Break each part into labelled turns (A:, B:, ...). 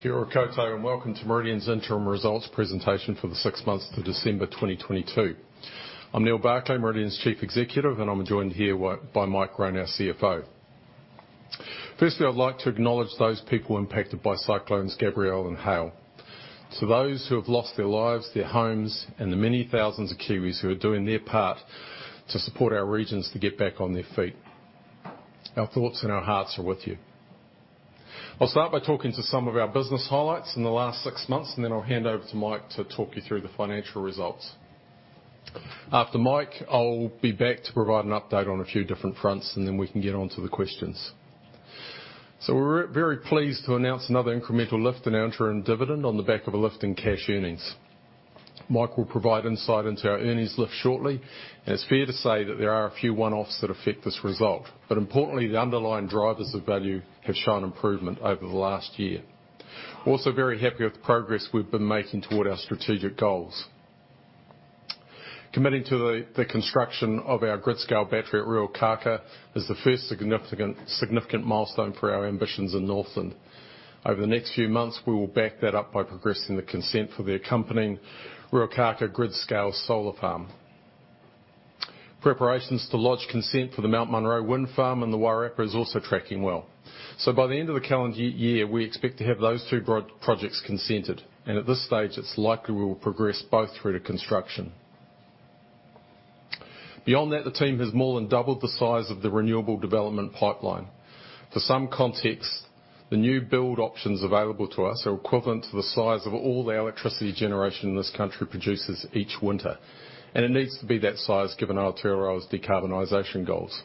A: Kia ora koutou, welcome to Meridian Energy's interim results presentation for the six months to December 2022. I'm Neal Barclay, Meridian Energy's Chief Executive, and I'm joined here by Mike Roan, our CFO. Firstly, I'd like to acknowledge those people impacted by Cyclones Gabrielle and Hale. To those who have lost their lives, their homes, and the many thousands of Kiwis who are doing their part to support our regions to get back on their feet, our thoughts and our hearts are with you. I'll start by talking to some of our business highlights in the last six months, and then I'll hand over to Mike to talk you through the financial results. After Mike, I'll be back to provide an update on a few different fronts, and then we can get on to the questions. We're very pleased to announce another incremental lift in our interim dividend on the back of a lift in cash earnings. Mike will provide insight into our earnings lift shortly, and it's fair to say that there are a few one-offs that affect this result. Importantly, the underlying drivers of value have shown improvement over the last year. Also very happy with the progress we've been making toward our strategic goals. Committing to the construction of our grid-scale battery at Ruakākā is the first significant milestone for our ambitions in Northland. Over the next few months, we will back that up by progressing the consent for the accompanying Ruakākā grid-scale solar farm. Preparations to lodge consent for the Mount Munro Wind Farm in the Wairarapa is also tracking well. By the end of the calendar year, we expect to have those two projects consented, and at this stage, it's likely we will progress both through to construction. Beyond that, the team has more than doubled the size of the renewable development pipeline. For some context, the new build options available to us are equivalent to the size of all the electricity generation this country produces each winter, and it needs to be that size given Aotearoa's decarbonization goals.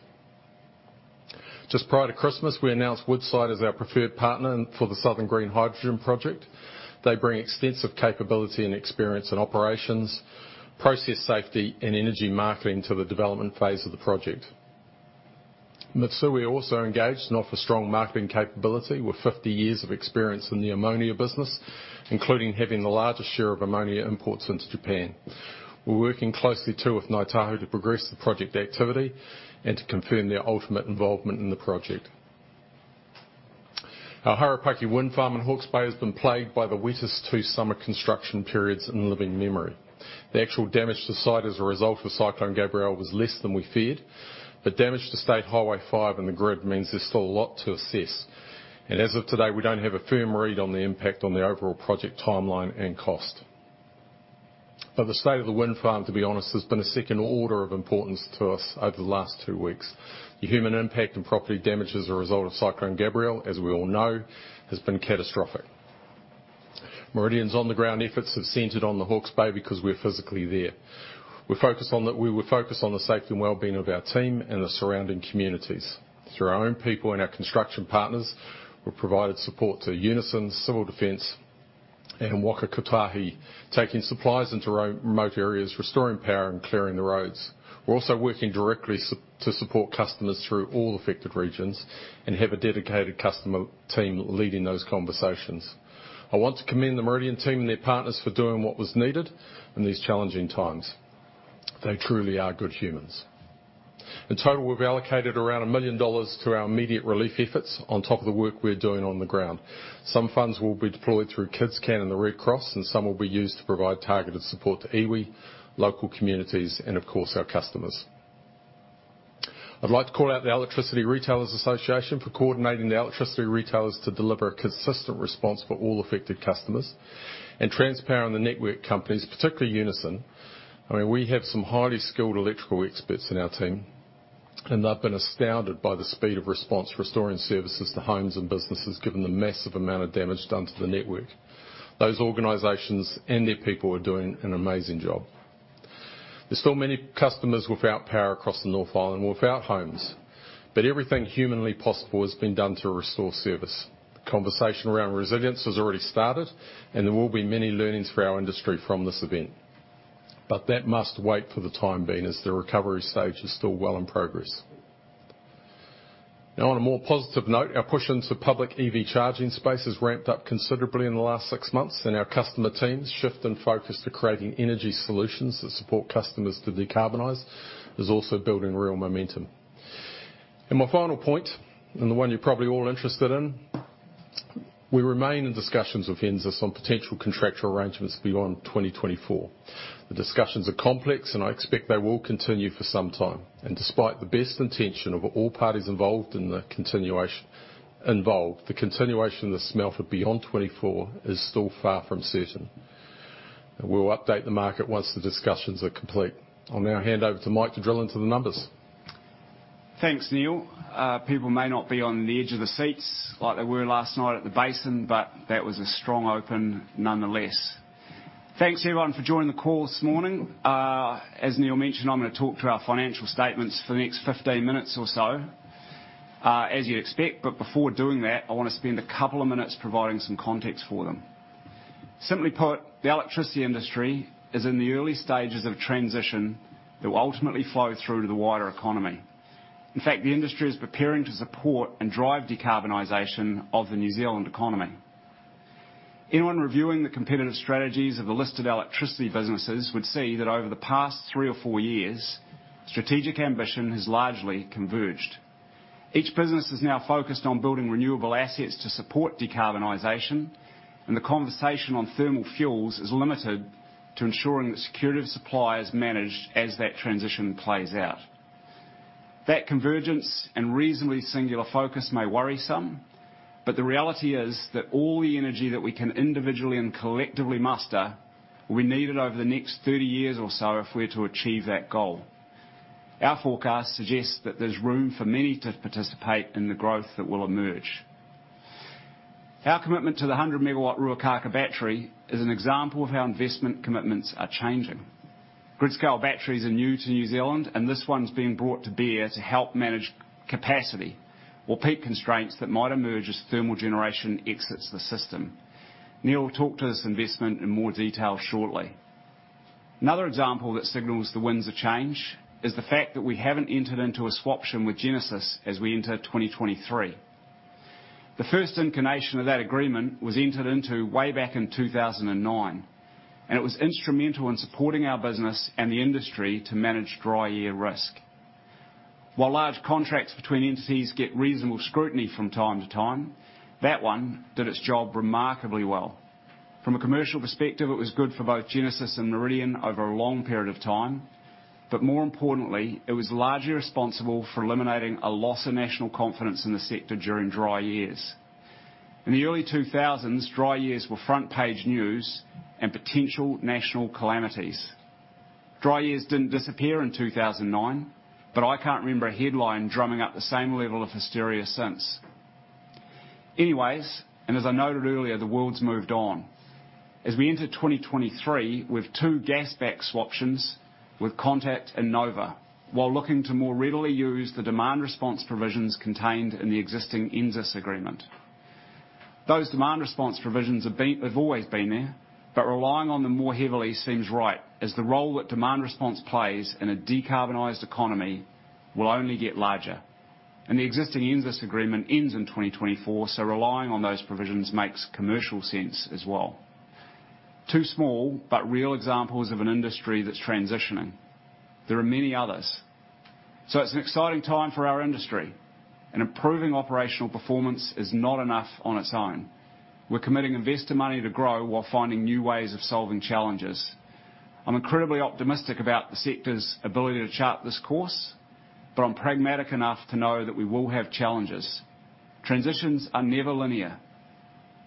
A: Prior to Christmas, we announced Woodside as our preferred partner for the Southern Green Hydrogen project. They bring extensive capability and experience in operations, process safety, and energy marketing to the development phase of the project. Mitsui are also engaged and offer strong marketing capability with 50 years of experience in the ammonia business, including having the largest share of ammonia imports into Japan. We're working closely too with Ngāi Tahu to progress the project activity and to confirm their ultimate involvement in the project. Our Harapaki Wind Farm in Hawke's Bay has been plagued by the wettest two summer construction periods in living memory. The actual damage to site as a result of Cyclone Gabrielle was less than we feared. The damage to State Highway 5 and the grid means there's still a lot to assess. As of today, we don't have a firm read on the impact on the overall project timeline and cost. The state of the wind farm, to be honest, has been a second order of importance to us over the last two weeks. The human impact and property damage as a result of Cyclone Gabrielle, as we all know, has been catastrophic. Meridian's on-the-ground efforts have centered on the Hawke's Bay because we're physically there. We were focused on the safety and wellbeing of our team and the surrounding communities. Through our own people and our construction partners, we provided support to Unison, Civil Defence, and Waka Kotahi, taking supplies into remote areas, restoring power and clearing the roads. We're also working directly to support customers through all affected regions and have a dedicated customer team leading those conversations. I want to commend the Meridian team and their partners for doing what was needed in these challenging times. They truly are good humans. In total, we've allocated around 1 million dollars to our immediate relief efforts on top of the work we're doing on the ground. Some funds will be deployed through KidsCan and the Red Cross, and some will be used to provide targeted support to iwi, local communities, and of course, our customers. I'd like to call out the Electricity Retailers Association for coordinating the electricity retailers to deliver a consistent response for all affected customers. Transpower and the network companies, particularly Unison, I mean, we have some highly skilled electrical experts in our team, and they've been astounded by the speed of response restoring services to homes and businesses given the massive amount of damage done to the network. Those organizations and their people are doing an amazing job. There's still many customers without power across the North Island or without homes, but everything humanly possible has been done to restore service. Conversation around resilience has already started, and there will be many learnings for our industry from this event. That must wait for the time being as the recovery stage is still well in progress. On a more positive note, our push into public EV charging space has ramped up considerably in the last six months, our customer teams' shift in focus to creating energy solutions that support customers to decarbonize is also building real momentum. My final point, and the one you're probably all interested in, we remain in discussions with Genesis on potential contractual arrangements beyond 2024. The discussions are complex. I expect they will continue for some time. Despite the best intention of all parties involved, the continuation of the smelter beyond 2024 is still far from certain. We'll update the market once the discussions are complete. I'll now hand over to Mike to drill into the numbers.
B: Thanks, Neal. People may not be on the edge of their seats like they were last night at the Basin, that was a strong open nonetheless. Thanks, everyone, for joining the call this morning. As Neal mentioned, I'm gonna talk through our financial statements for the next 15 minutes or so, as you'd expect. Before doing that, I wanna spend a couple of minutes providing some context for them. Simply put, the electricity industry is in the early stages of transition that will ultimately flow through to the wider economy. In fact, the industry is preparing to support and drive decarbonization of the New Zealand economy. Anyone reviewing the competitive strategies of the listed electricity businesses would see that over the past three or four years, strategic ambition has largely converged. Each business is now focused on building renewable assets to support decarbonization, and the conversation on thermal fuels is limited to ensuring that security of supply is managed as that transition plays out. That convergence and reasonably singular focus may worry some, but the reality is that all the energy that we can individually and collectively muster will be needed over the next 30 years or so if we're to achieve that goal. Our forecast suggests that there's room for many to participate in the growth that will emerge. Our commitment to the 100 MW Ruakākā battery is an example of how investment commitments are changing. Grid-scale batteries are new to New Zealand, this one's being brought to bear to help manage capacity or peak constraints that might emerge as thermal generation exits the system. Neal will talk to this investment in more detail shortly. Another example that signals the winds of change is the fact that we haven't entered into a swaption with Genesis as we enter 2023. The first incarnation of that agreement was entered into way back in 2009, and it was instrumental in supporting our business and the industry to manage dry year risk. While large contracts between entities get reasonable scrutiny from time to time, that one did its job remarkably well. From a commercial perspective, it was good for both Genesis and Meridian over a long period of time. More importantly, it was largely responsible for eliminating a loss of national confidence in the sector during dry years. In the early 2000s, dry years were front page news and potential national calamities. Dry years didn't disappear in 2009. I can't remember a headline drumming up the same level of hysteria since. Anyway, as I noted earlier, the world's moved on. As we enter 2023 with two gas back swaptions with Contact and Nova while looking to more readily use the demand response provisions contained in the existing NZAS agreement. Those demand response provisions have always been there. Relying on them more heavily seems right as the role that demand response plays in a decarbonized economy will only get larger. The existing NZS agreement ends in 2024, relying on those provisions makes commercial sense as well. Two small but real examples of an industry that's transitioning. There are many others. It's an exciting time for our industry and improving operational performance is not enough on its own. We're committing investor money to grow while finding new ways of solving challenges. I'm incredibly optimistic about the sector's ability to chart this course, I'm pragmatic enough to know that we will have challenges. Transitions are never linear,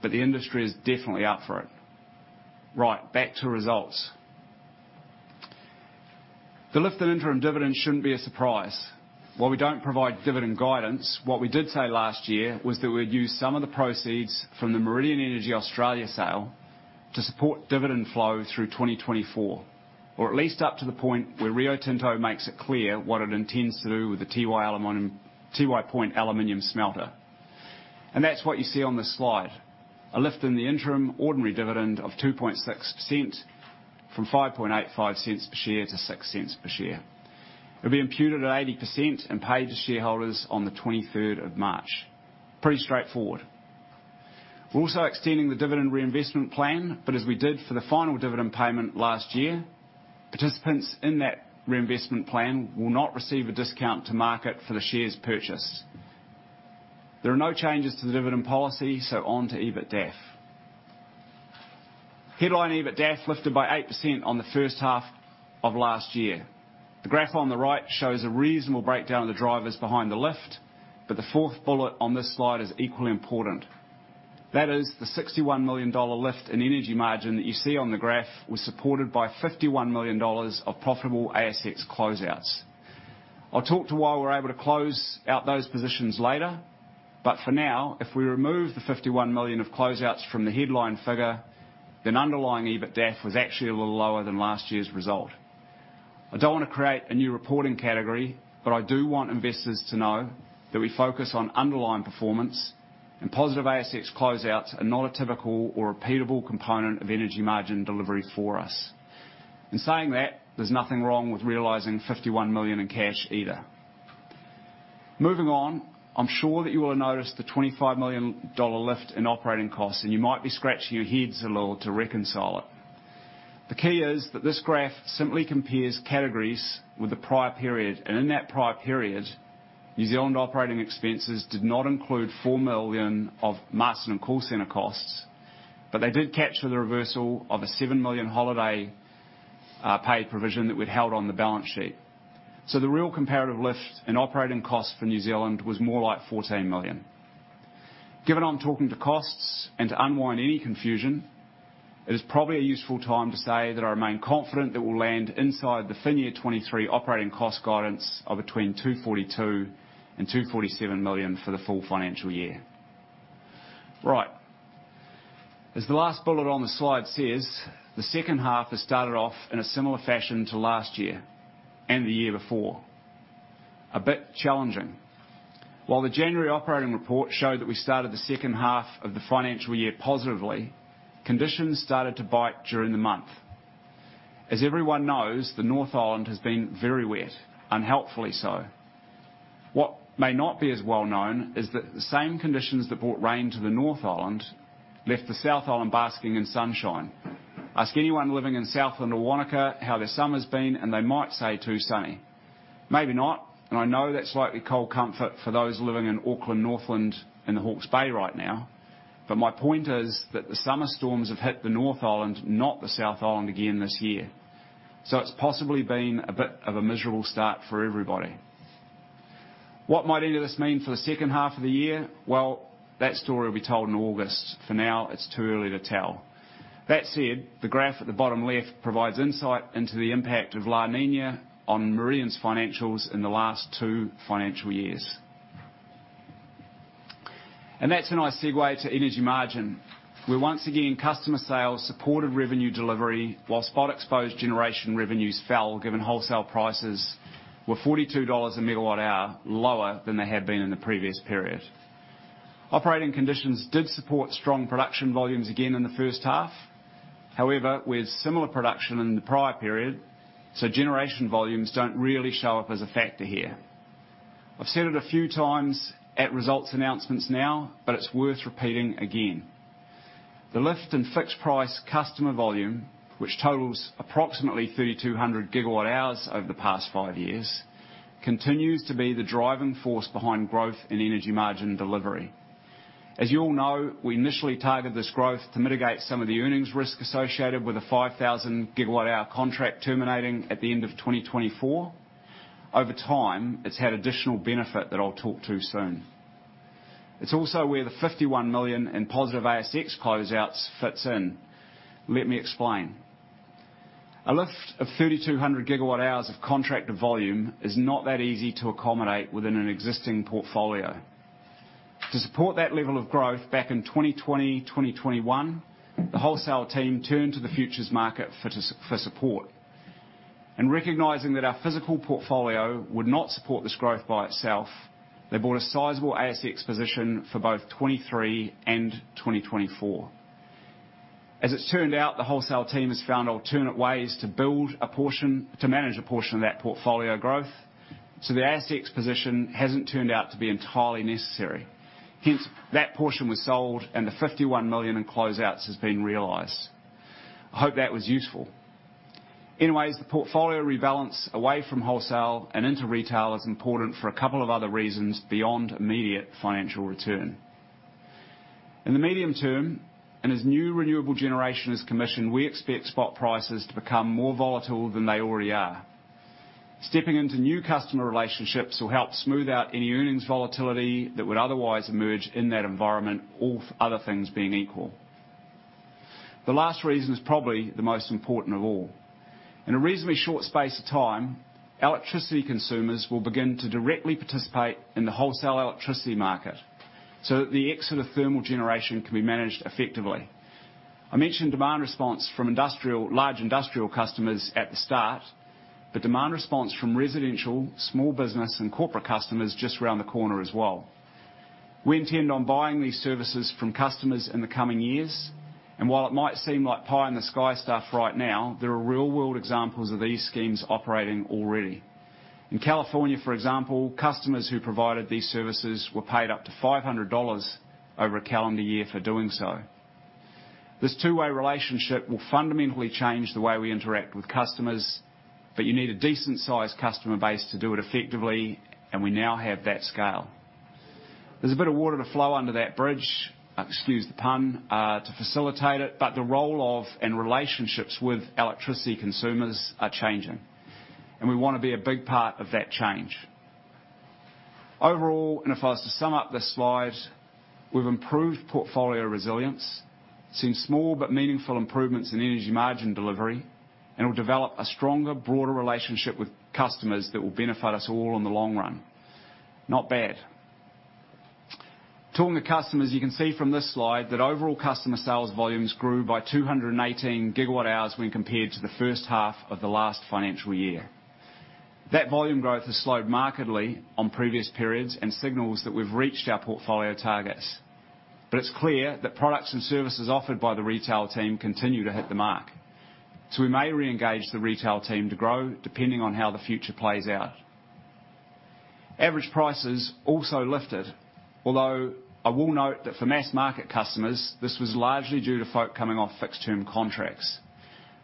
B: the industry is definitely out for it. Right, back to results. The lift in interim dividend shouldn't be a surprise. While we don't provide dividend guidance, what we did say last year was that we'd use some of the proceeds from the Meridian Energy Australia sale to support dividend flow through 2024, or at least up to the point where Rio Tinto makes it clear what it intends to do with the Tiwai Point aluminium smelter. That's what you see on this slide. A lift in the interim ordinary dividend of 2.6% from 0.0585 per share to 0.06 per share. It'll be imputed at 80% and paid to shareholders on the 23rd of March. Pretty straightforward. We're also extending the dividend reinvestment plan, as we did for the final dividend payment last year, participants in that dividend reinvestment plan will not receive a discount to market for the shares purchased. There are no changes to the dividend policy, on to EBITDAF. Headline EBITDAF lifted by 8% on the first half of last year. The graph on the right shows a reasonable breakdown of the drivers behind the lift, the fourth bullet on this slide is equally important. That is the 61 million dollar lift in energy margin that you see on the graph was supported by 51 million dollars of profitable ASX closeouts. I'll talk to why we're able to close out those positions later, for now, if we remove the 51 million of closeouts from the headline figure, then underlying EBITDAF was actually a little lower than last year's result. I don't wanna create a new reporting category, I do want investors to know that we focus on underlying performance and positive ASX closeouts are not a typical or repeatable component of energy margin delivery for us. In saying that, there's nothing wrong with realizing 51 million in cash either. Moving on, I'm sure that you will have noticed the 25 million dollar lift in operating costs and you might be scratching your heads a little to reconcile it. The key is that this graph simply compares categories with the prior period. In that prior period, New Zealand operating expenses did not include 4 million of Marsden call center costs, but they did capture the reversal of a 7 million holiday paid provision that we'd held on the balance sheet. The real comparative lift in operating costs for New Zealand was more like 14 million. Given I'm talking to costs and to unwind any confusion, it is probably a useful time to say that I remain confident that we'll land inside the full year 2023 operating cost guidance of between 242 million and 247 million for the full financial year. Right. As the last bullet on the slide says, the second half has started off in a similar fashion to last year and the year before. A bit challenging. While the January operating report showed that we started the second half of the financial year positively, conditions started to bite during the month. As everyone knows, the North Island has been very wet, unhelpfully so. What may not be as well known is that the same conditions that brought rain to the North Island left the South Island basking in sunshine. Ask anyone living in Southland or Wanaka how their summer's been, and they might say too sunny. Maybe not, and I know that's likely cold comfort for those living in Auckland, Northland, and the Hawke's Bay right now. My point is that the summer storms have hit the North Island, not the South Island again this year. It's possibly been a bit of a miserable start for everybody. What might any of this mean for the second half of the year? That story will be told in August. For now, it's too early to tell. That said, the graph at the bottom left provides insight into the impact of La Niña on Meridian's financials in the last two financial years. That's a nice segue to energy margin, where once again, customer sales supported revenue delivery while spot exposed generation revenues fell, given wholesale prices were 42 dollars a megawatt-hour lower than they had been in the previous period. Operating conditions did support strong production volumes again in the first half. However, with similar production in the prior period, so generation volumes don't really show up as a factor here. I've said it a few times at results announcements now, it's worth repeating again. The lift in fixed price customer volume, which totals approximately 3,200 GWh over the past five years, continues to be the driving force behind growth in energy margin delivery. As you all know, we initially targeted this growth to mitigate some of the earnings risk associated with the 5,000 GWh contract terminating at the end of 2024. Over time, it's had additional benefit that I'll talk to soon. It's also where the 51 million in positive ASX closeouts fits in. Let me explain. A lift of 3,200 GWh of contracted volume is not that easy to accommodate within an existing portfolio. To support that level of growth back in 2020, 2021, the wholesale team turned to the futures market for support. Recognizing that our physical portfolio would not support this growth by itself, they bought a sizable ASX position for both 2023 and 2024. As it's turned out, the wholesale team has found alternate ways to manage a portion of that portfolio growth, so the ASX position hasn't turned out to be entirely necessary. Hence, that portion was sold, and the 51 million in closeouts has been realized. I hope that was useful. The portfolio rebalance away from wholesale and into retail is important for a couple of other reasons beyond immediate financial return. In the medium term, as new renewable generation is commissioned, we expect spot prices to become more volatile than they already are. Stepping into new customer relationships will help smooth out any earnings volatility that would otherwise emerge in that environment, all other things being equal. The last reason is probably the most important of all. In a reasonably short space of time, electricity consumers will begin to directly participate in the wholesale electricity market. The exit of thermal generation can be managed effectively. I mentioned demand response from large industrial customers at the start, but demand response from residential, small business, and corporate customers just around the corner as well. We intend on buying these services from customers in the coming years. While it might seem like pie in the sky stuff right now, there are real-world examples of these schemes operating already. In California, for example, customers who provided these services were paid up to 500 dollars over a calendar year for doing so. This two-way relationship will fundamentally change the way we interact with customers. You need a decent-sized customer base to do it effectively, and we now have that scale. There's a bit of water to flow under that bridge, excuse the pun, to facilitate it. The role of, and relationships with electricity consumers are changing. We wanna be a big part of that change. Overall, if I was to sum up this slide, we've improved portfolio resilience, seen small but meaningful improvements in energy margin delivery, and we've developed a stronger, broader relationship with customers that will benefit us all in the long run. Not bad. Talking to customers, you can see from this slide that overall customer sales volumes grew by 218 GWh when compared to the first half of the last financial year. That volume growth has slowed markedly on previous periods and signals that we've reached our portfolio targets. It's clear that products and services offered by the retail team continue to hit the mark. We may reengage the retail team to grow depending on how the future plays out. Average prices also lifted, although I will note that for mass market customers, this was largely due to folk coming off fixed-term contracts.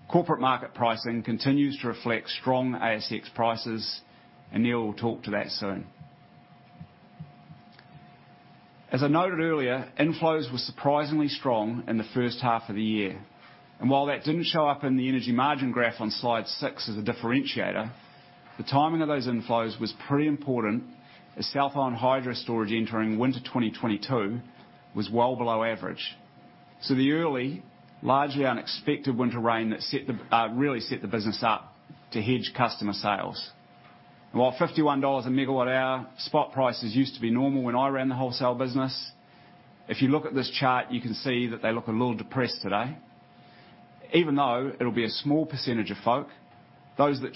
B: Corporate market pricing continues to reflect strong ASX prices, and Neal will talk to that soon. As I noted earlier, inflows were surprisingly strong in the first half of the year, and while that didn't show up in the energy margin graph on slide six as a differentiator, the timing of those inflows was pretty important as South Island hydro storage entering winter 2022 was well below average. The early, largely unexpected winter rain that set the really set the business up to hedge customer sales. While 51 dollars a megawatt-hour spot prices used to be normal when I ran the wholesale business, if you look at this chart, you can see that they look a little depressed today. Even though it'll be a small percentage of folk, those that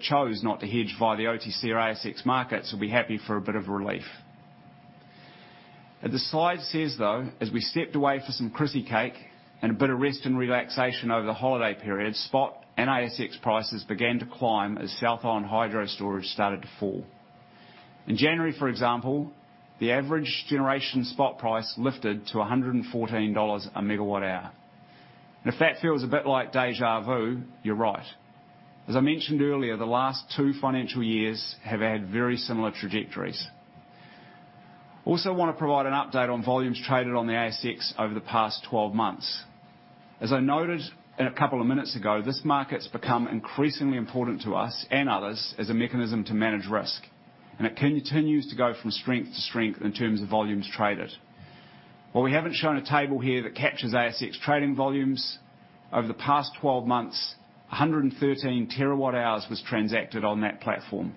B: chose not to hedge via the OTC or ASX markets will be happy for a bit of relief. As the slide says, though, as we stepped away for some Chrissy cake and a bit of rest and relaxation over the holiday period, spot and ASX prices began to climb as South Island hydro storage started to fall. In January, for example, the average generation spot price lifted to 114 dollars a megawatt hour. If that feels a bit like deja vu, you're right. As I mentioned earlier, the last two financial years have had very similar trajectories. Also want to provide an update on volumes traded on the ASX over the past 12 months. As I noted a couple of minutes ago, this market's become increasingly important to us and others as a mechanism to manage risk, and it continues to go from strength to strength in terms of volumes traded. While we haven't shown a table here that captures ASX trading volumes over the past 12 months, 113 TWh was transacted on that platform.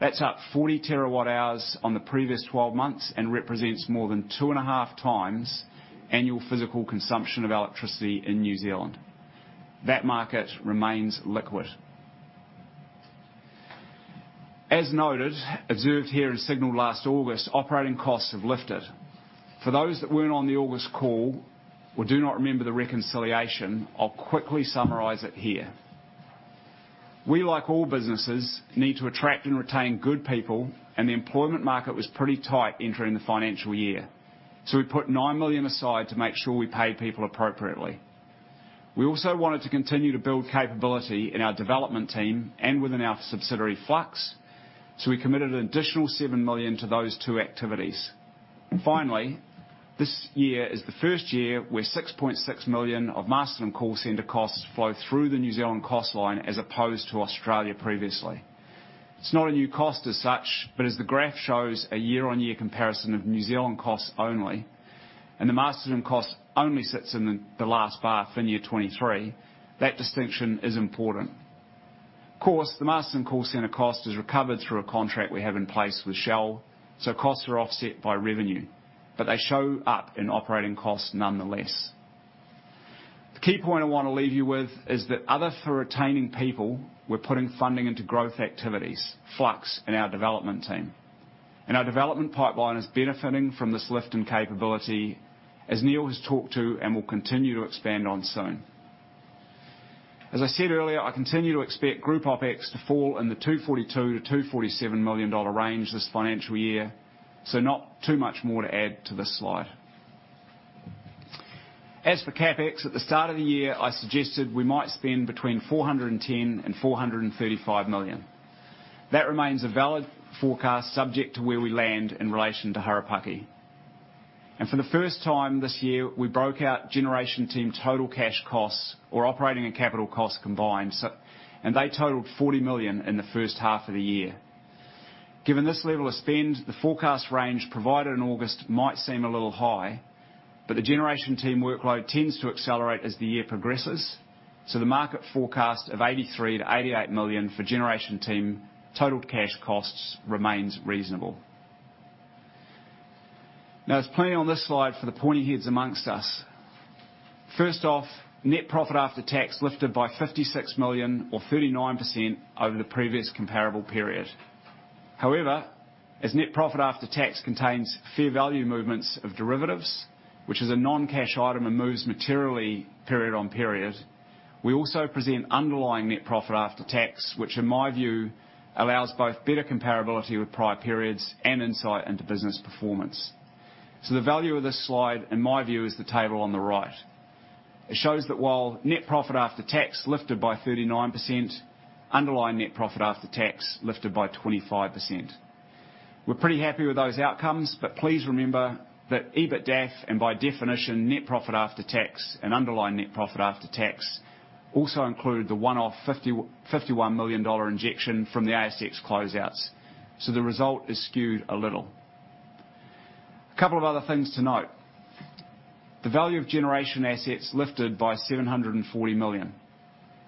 B: That's up 40 TWh on the previous 12 months and represents more than 2.5x annual physical consumption of electricity in New Zealand. That market remains liquid. As noted, observed here, and signaled last August, operating costs have lifted. For those that weren't on the August call or do not remember the reconciliation, I'll quickly summarize it here. We, like all businesses, need to attract and retain good people, and the employment market was pretty tight entering the financial year. We put 9 million aside to make sure we paid people appropriately. We also wanted to continue to build capability in our development team and within our subsidiary, Flux. We committed an additional 7 million to those two activities. Finally, this year is the first year where 6.6 million of Masterton call center costs flow through the New Zealand cost line as opposed to Australia previously. It's not a new cost as such, but as the graph shows, a year-over-year comparison of New Zealand costs only, and the Masterton cost only sits in the last bar, full year 2023. That distinction is important. Of course, the Masterton call center cost is recovered through a contract we have in place with Shell. Costs are offset by revenue, they show up in operating costs nonetheless. The key point I want to leave you with is that other for retaining people, we're putting funding into growth activities, Flux and our development team. Our development pipeline is benefiting from this lift in capability, as Neal has talked to and will continue to expand on soon. As I said earlier, I continue to expect group OpEx to fall in the NZD 242 million-NZD 247 million range this financial year. Not too much more to add to this slide. As for CapEx, at the start of the year, I suggested we might spend between 410 million and 435 million. That remains a valid forecast subject to where we land in relation to Harapaki. For the first time this year, we broke out generation team total cash costs or OpEx and CapEx combined. They totaled 40 million in the first half of the year. Given this level of spend, the forecast range provided in August might seem a little high, the generation team workload tends to accelerate as the year progresses. The market forecast of 83 million-88 million for generation team totaled cash costs remains reasonable. There's plenty on this slide for the pointy heads amongst us. First off, net profit after tax lifted by 56 million or 39% over the previous comparable period. As net profit after tax contains fair value movements of derivatives, which is a non-cash item and moves materially period on period, we also present underlying net profit after tax, which in my view, allows both better comparability with prior periods and insight into business performance. The value of this slide, in my view, is the table on the right. It shows that while net profit after tax lifted by 39%, underlying net profit after tax lifted by 25%. We're pretty happy with those outcomes, please remember that EBITDAF and by definition, net profit after tax and underlying net profit after tax, also include the one-off 51 million dollar injection from the ASX closeouts. The result is skewed a little. A couple of other things to note. The value of generation assets lifted by 740 million.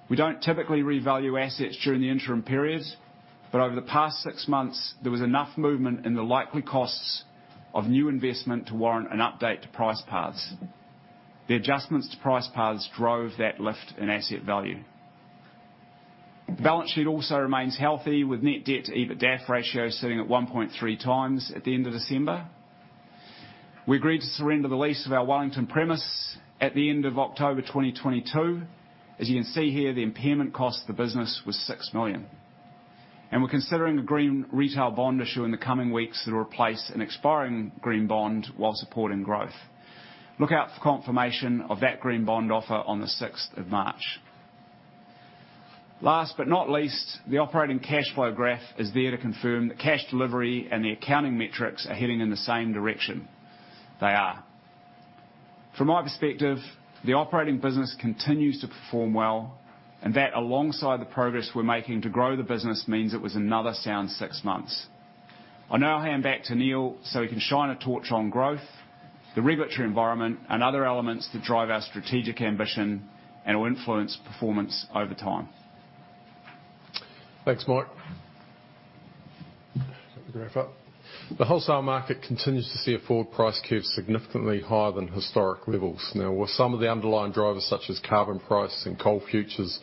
B: We don't typically revalue assets during the interim periods, but over the past six months, there was enough movement in the likely costs of new investment to warrant an update to price paths. The adjustments to price paths drove that lift in asset value. The balance sheet also remains healthy, with net debt to EBITDAF ratio sitting at 1.3x at the end of December. We agreed to surrender the lease of our Wellington premise at the end of October 2022. As you can see here, the impairment cost to the business was 6 million. We're considering a green retail bond issue in the coming weeks to replace an expiring green bond while supporting growth. Look out for confirmation of that green bond offer on the 6th of March. Last but not least, the operating cash flow graph is there to confirm that cash delivery and the accounting metrics are heading in the same direction. They are. From my perspective, the operating business continues to perform well, and that, alongside the progress we're making to grow the business, means it was another sound six months. I'll now hand back to Neal so he can shine a torch on growth, the regulatory environment, and other elements that drive our strategic ambition and will influence performance over time.
A: Thanks, Mike. Let me put the graph up. The wholesale market continues to see a forward price curve significantly higher than historic levels. With some of the underlying drivers such as carbon price and coal futures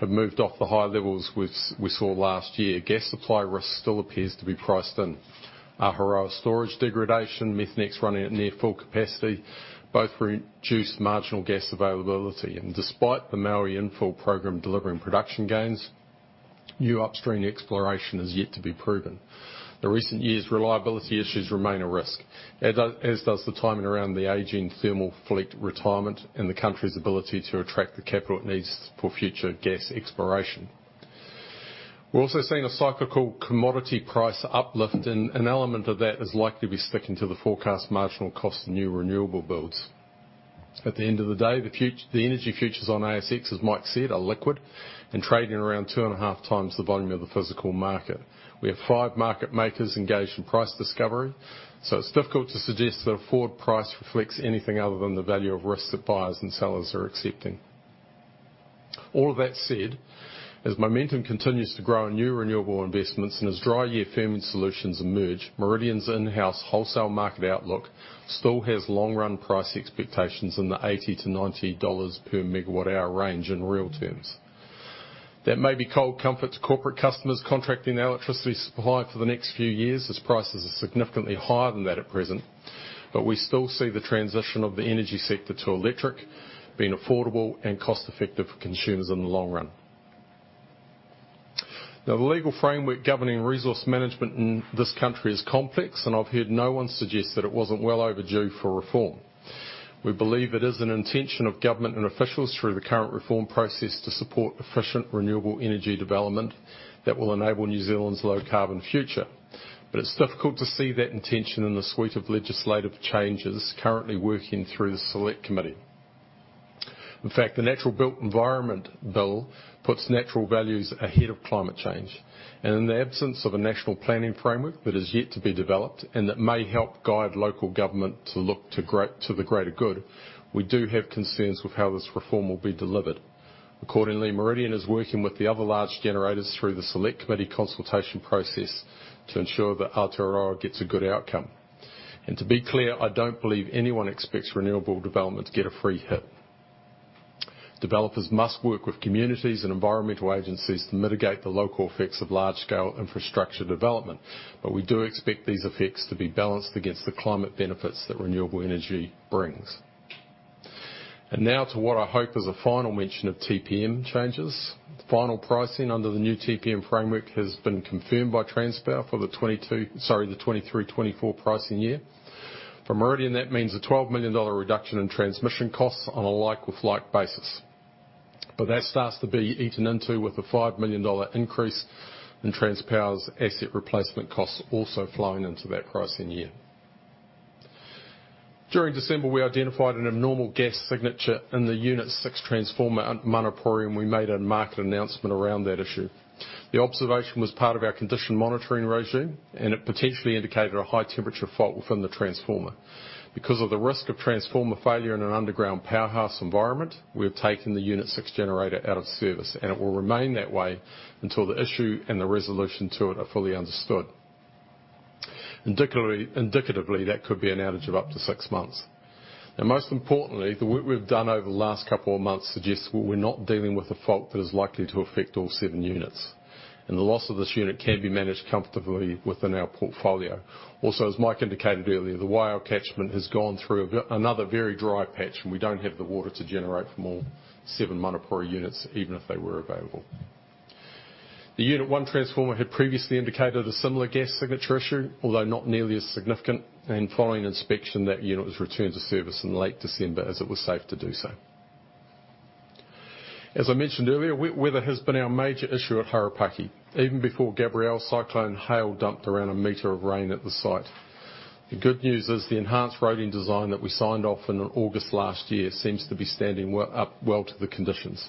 A: have moved off the high levels we saw last year, gas supply risk still appears to be priced in. Ahuroa storage degradation, Methanex running at near full capacity, both reduced marginal gas availability. Despite the Māui infill program delivering production gains, new upstream exploration is yet to be proven. The recent years' reliability issues remain a risk, as does the timing around the aging thermal fleet retirement and the country's ability to attract the capital it needs for future gas exploration. We're also seeing a cyclical commodity price uplift, and an element of that is likely to be sticking to the forecast marginal cost of new renewable builds. At the end of the day, the energy futures on ASX, as Mike said, are liquid and trading around 2.5x the volume of the physical market. We have five market makers engaged in price discovery, so it's difficult to suggest that a forward price reflects anything other than the value of risks that buyers and sellers are accepting. All of that said, as momentum continues to grow in new renewable investments and as dry year firming solutions emerge, Meridian's in-house wholesale market outlook still has long run price expectations in the 80-90 dollars per megawatt hour range in real terms. That may be cold comfort to corporate customers contracting electricity supply for the next few years, as prices are significantly higher than that at present. We still see the transition of the energy sector to electric being affordable and cost effective for consumers in the long run. Now, the legal framework governing resource management in this country is complex, and I've heard no one suggest that it wasn't well overdue for reform. We believe it is an intention of government and officials through the current reform process to support efficient, renewable energy development that will enable New Zealand's low carbon future. It's difficult to see that intention in the suite of legislative changes currently working through the select committee. In fact, the Natural and Built Environment Bill puts natural values ahead of climate change. In the absence of a National Planning Framework that is yet to be developed and that may help guide local government to look to the greater good, we do have concerns with how this reform will be delivered. Accordingly, Meridian is working with the other large generators through the select committee consultation process to ensure that Aotearoa gets a good outcome. To be clear, I don't believe anyone expects renewable development to get a free hit. Developers must work with communities and environmental agencies to mitigate the local effects of large scale infrastructure development. We do expect these effects to be balanced against the climate benefits that renewable energy brings. Now to what I hope is a final mention of TPM changes. The final pricing under the new TPM framework has been confirmed by Transpower for the 2023/2024 pricing year. For Meridian Energy, that means a 12 million dollar reduction in transmission costs on a like-with-like basis. That starts to be eaten into with the 5 million dollar increase in Transpower's asset replacement costs also flowing into that pricing year. During December, we identified an abnormal gas signature in the unit six transformer at Manapouri, we made a market announcement around that issue. The observation was part of our condition monitoring regime, it potentially indicated a high temperature fault within the transformer. Because of the risk of transformer failure in an underground powerhouse environment, we have taken the unit six generator out of service, it will remain that way until the issue and the resolution to it are fully understood. Indicatively, that could be an outage of up to six months. Most importantly, the work we've done over the last couple of months suggests we're not dealing with a fault that is likely to affect all seven units, and the loss of this unit can be managed comfortably within our portfolio. As Mike indicated earlier, the Waiau catchment has gone through another very dry patch, and we don't have the water to generate from all seven Manapouri units, even if they were available. The unit one transformer had previously indicated a similar gas signature issue, although not nearly as significant, and following inspection, that unit was returned to service in late December as it was safe to do so. I mentioned earlier, wet weather has been our major issue at Harapaki. Even before Gabrielle's Cyclone Hale dumped around 1 meter of rain at the site. The good news is the enhanced roading design that we signed off in August last year seems to be standing up well to the conditions.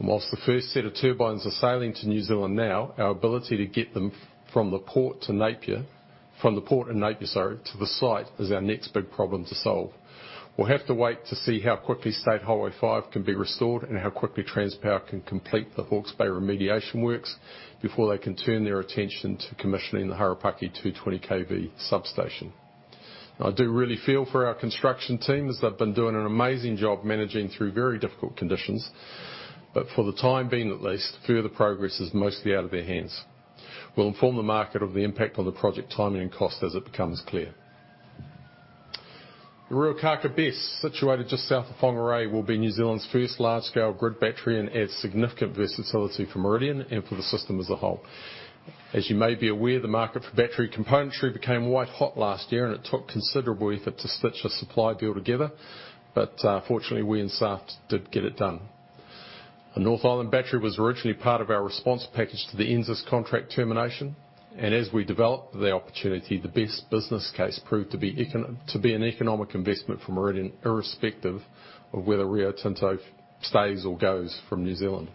A: Whilst the first set of turbines are sailing to New Zealand now, our ability to get them from the port in Napier, sorry, to the site is our next big problem to solve. We'll have to wait to see how quickly State Highway 5 can be restored and how quickly Transpower can complete the Hawke's Bay remediation works before they can turn their attention to commissioning the Harapaki 220 KV substation. I do really feel for our construction team, as they've been doing an amazing job managing through very difficult conditions. For the time being at least, further progress is mostly out of their hands. We'll inform the market of the impact on the project timing and cost as it becomes clear. The Ruakākā BESS, situated just south of Whangārei, will be New Zealand's first large-scale grid battery and adds significant versatility for Meridian and for the system as a whole. As you may be aware, the market for battery componentry became white hot last year. It took considerable effort to stitch a supply deal together. Fortunately, we and staff did get it done. A North Island battery was originally part of our response package to the NZAS contract termination. As we developed the opportunity, the BESS business case proved to be an economic investment from Meridian, irrespective of whether Rio Tinto stays or goes from New Zealand.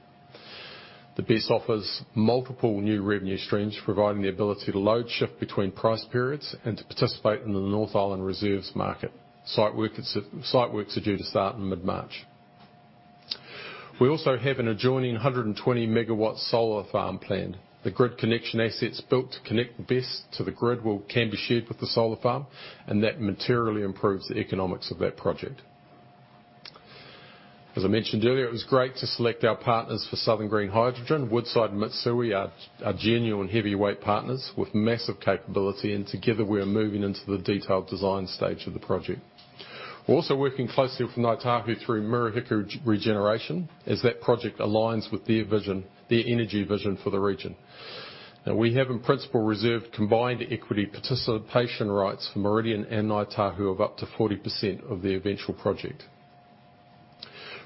A: The BESS offers multiple new revenue streams, providing the ability to load shift between price periods and to participate in the North Island reserves market. Site works are due to start in mid-March. We also have an adjoining 120 MW solar farm planned. The grid connection assets built to connect the BESS to the grid can be shared with the solar farm, and that materially improves the economics of that project. As I mentioned earlier, it was great to select our partners for Southern Green Hydrogen. Woodside and Mitsui are genuine heavyweight partners with massive capability. Together, we are moving into the detailed design stage of the project. We're also working closely with Ngāi Tahu through Murihiku Regeneration as that project aligns with their vision, their energy vision for the region. Now we have, in principle, reserved combined equity participation rights for Meridian and Ngāi Tahu of up to 40% of the eventual project.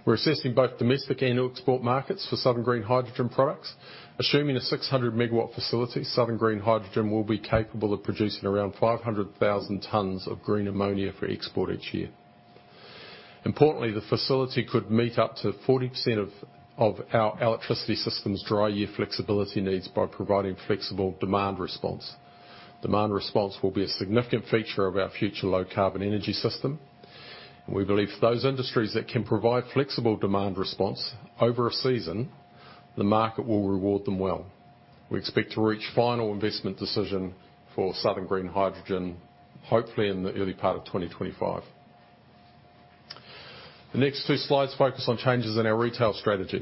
A: We're assessing both domestic and export markets for Southern Green Hydrogen products. Assuming a 600 MW facility, Southern Green Hydrogen will be capable of producing around 500,000 tons of green ammonia for export each year. Importantly, the facility could meet up to 40% of our electricity system's dry year flexibility needs by providing flexible demand response. Demand response will be a significant feature of our future low-carbon energy system. We believe for those industries that can provide flexible demand response over a season, the market will reward them well. We expect to reach final investment decision for Southern Green Hydrogen, hopefully in the early part of 2025. The next two slides focus on changes in our retail strategy.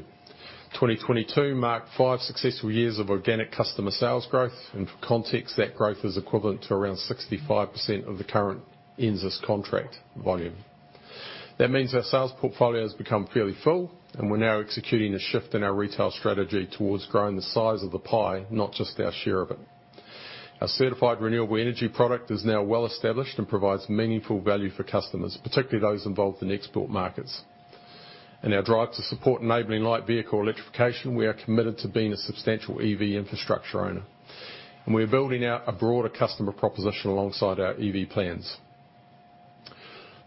A: 2022 marked five successful years of organic customer sales growth. For context, that growth is equivalent to around 65% of the current NZES contract volume. That means our sales portfolio has become fairly full, and we're now executing a shift in our retail strategy towards growing the size of the pie, not just our share of it. Our certified renewable energy product is now well-established and provides meaningful value for customers, particularly those involved in export markets. In our drive to support enabling light vehicle electrification, we are committed to being a substantial EV infrastructure owner. We're building out a broader customer proposition alongside our EV plans.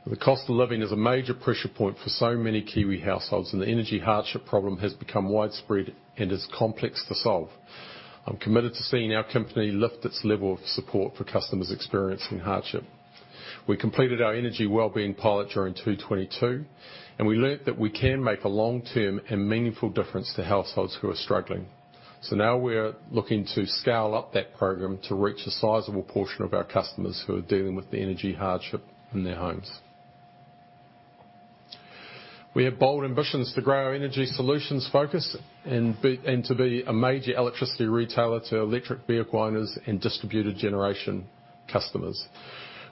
A: The cost of living is a major pressure point for so many Kiwi households, and the energy hardship problem has become widespread and is complex to solve. I'm committed to seeing our company lift its level of support for customers experiencing hardship. We completed our energy wellbeing pilot during 2022. We learned that we can make a long-term and meaningful difference to households who are struggling. Now we're looking to scale up that program to reach a sizable portion of our customers who are dealing with the energy hardship in their homes. We have bold ambitions to grow our energy solutions focus and to be a major electricity retailer to electric vehicle owners and distributed generation customers.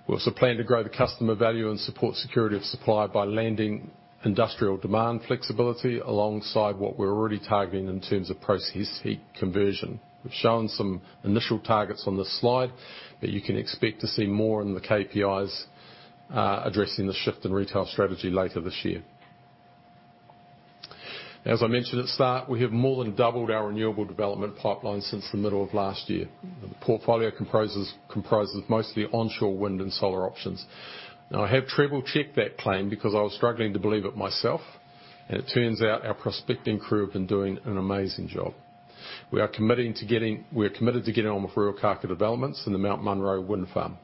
A: We also plan to grow the customer value and support security of supply by landing industrial demand flexibility alongside what we're already targeting in terms of process heat conversion. We've shown some initial targets on this slide, but you can expect to see more in the KPIs addressing the shift in retail strategy later this year. As I mentioned at start, we have more than doubled our renewable development pipeline since the middle of last year. The portfolio comprises mostly onshore wind and solar options. I have triple-checked that claim because I was struggling to believe it myself, and it turns out our prospecting crew have been doing an amazing job. We're committed to getting on with Ruakākā developments in the Mount Munro Wind Farm.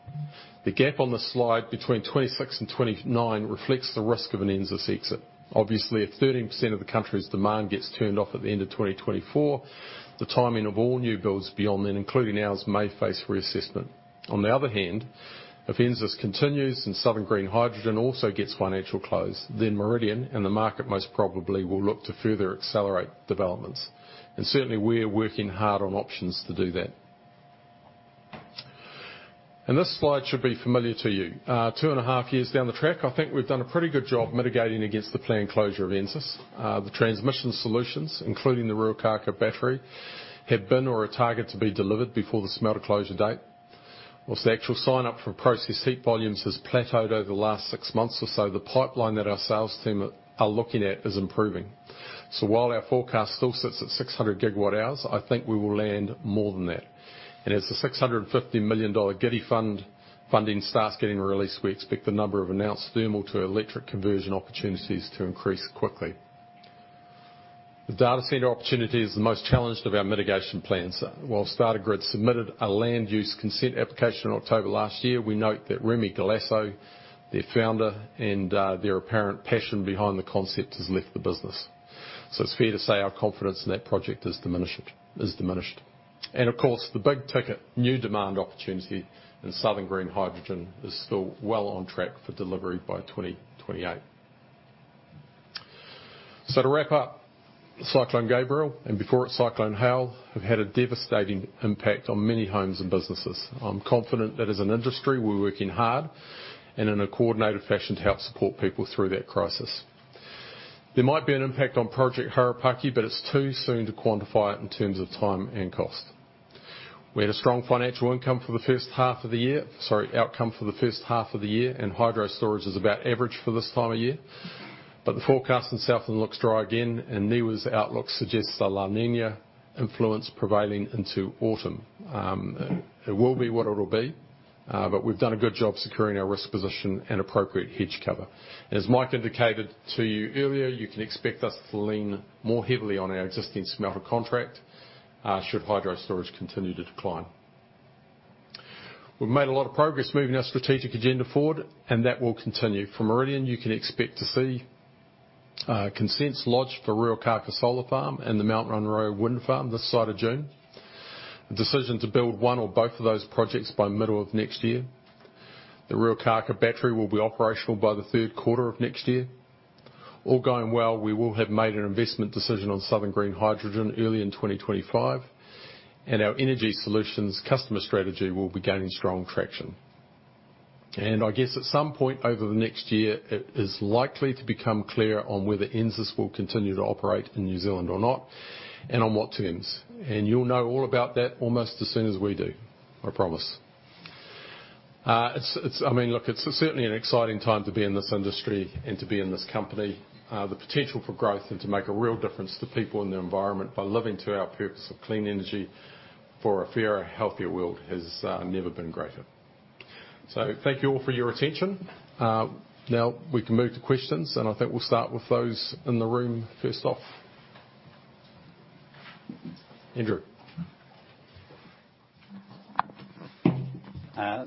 A: The gap on the slide between 26 and 29 reflects the risk of an NZAS exit. Obviously, if 13% of the country's demand gets turned off at the end of 2024, the timing of all new builds beyond then, including ours, may face reassessment. On the other hand, if NZAS continues and Southern Green Hydrogen also gets financial close, then Meridian and the market most probably will look to further accelerate developments. Certainly, we're working hard on options to do that. This slide should be familiar to you. 2.5 Years down the track, I think we've done a pretty good job mitigating against the planned closure of NZAS. The transmission solutions, including the Ruakākā battery, have been or are targeted to be delivered before the Smelter closure date. Whilst the actual sign-up for process heat volumes has plateaued over the last six months or so, the pipeline that our sales team are looking at is improving. While our forecast still sits at 600 GWh, I think we will land more than that. As the 650 million dollar GIDI Fund funding starts getting released, we expect the number of announced thermal to electric conversion opportunities to increase quickly. The data center opportunity is the most challenged of our mitigation plans. While DataGrid submitted a land use consent application in October last year, we note that Rémi Galasso, their Founder, and their apparent passion behind the concept, has left the business. It's fair to say our confidence in that project is diminished. Of course, the big-ticket new demand opportunity in Southern Green Hydrogen is still well on track for delivery by 2028. To wrap up, Cyclone Gabrielle, and before it, Cyclone Hale, have had a devastating impact on many homes and businesses. I'm confident that as an industry, we're working hard and in a coordinated fashion to help support people through that crisis. There might be an impact on Project Harapaki. It's too soon to quantify it in terms of time and cost. We had a strong financial outcome for the first half of the year. Hydro storage is about average for this time of year. The forecast in Southland looks dry again. NIWA's outlook suggests a La Niña influence prevailing into autumn. It will be what it'll be. We've done a good job securing our risk position and appropriate hedge cover. As Mike indicated to you earlier, you can expect us to lean more heavily on our existing Smelter contract should hydro storage continue to decline. We've made a lot of progress moving our strategic agenda forward. That will continue. For Meridian, you can expect to see consents lodged for Ruakākā Solar Farm and the Mount Munro Wind Farm this side of June. A decision to build one or both of those projects by middle of next year. The Ruakākā battery will be operational by the third quarter of next year. All going well, we will have made an investment decision on Southern Green Hydrogen early in 2025, and our energy solutions customer strategy will be gaining strong traction. I guess at some point over the next year, it is likely to become clear on whether NZAS will continue to operate in New Zealand or not, and on what terms. You'll know all about that almost as soon as we do, I promise. I mean, look, it's certainly an exciting time to be in this industry and to be in this company. The potential for growth and to make a real difference to people in the environment by living to our purpose of clean energy for a fairer, healthier world has never been greater. Thank you all for your attention. We can move to questions, and I think we'll start with those in the room first off. Andrew.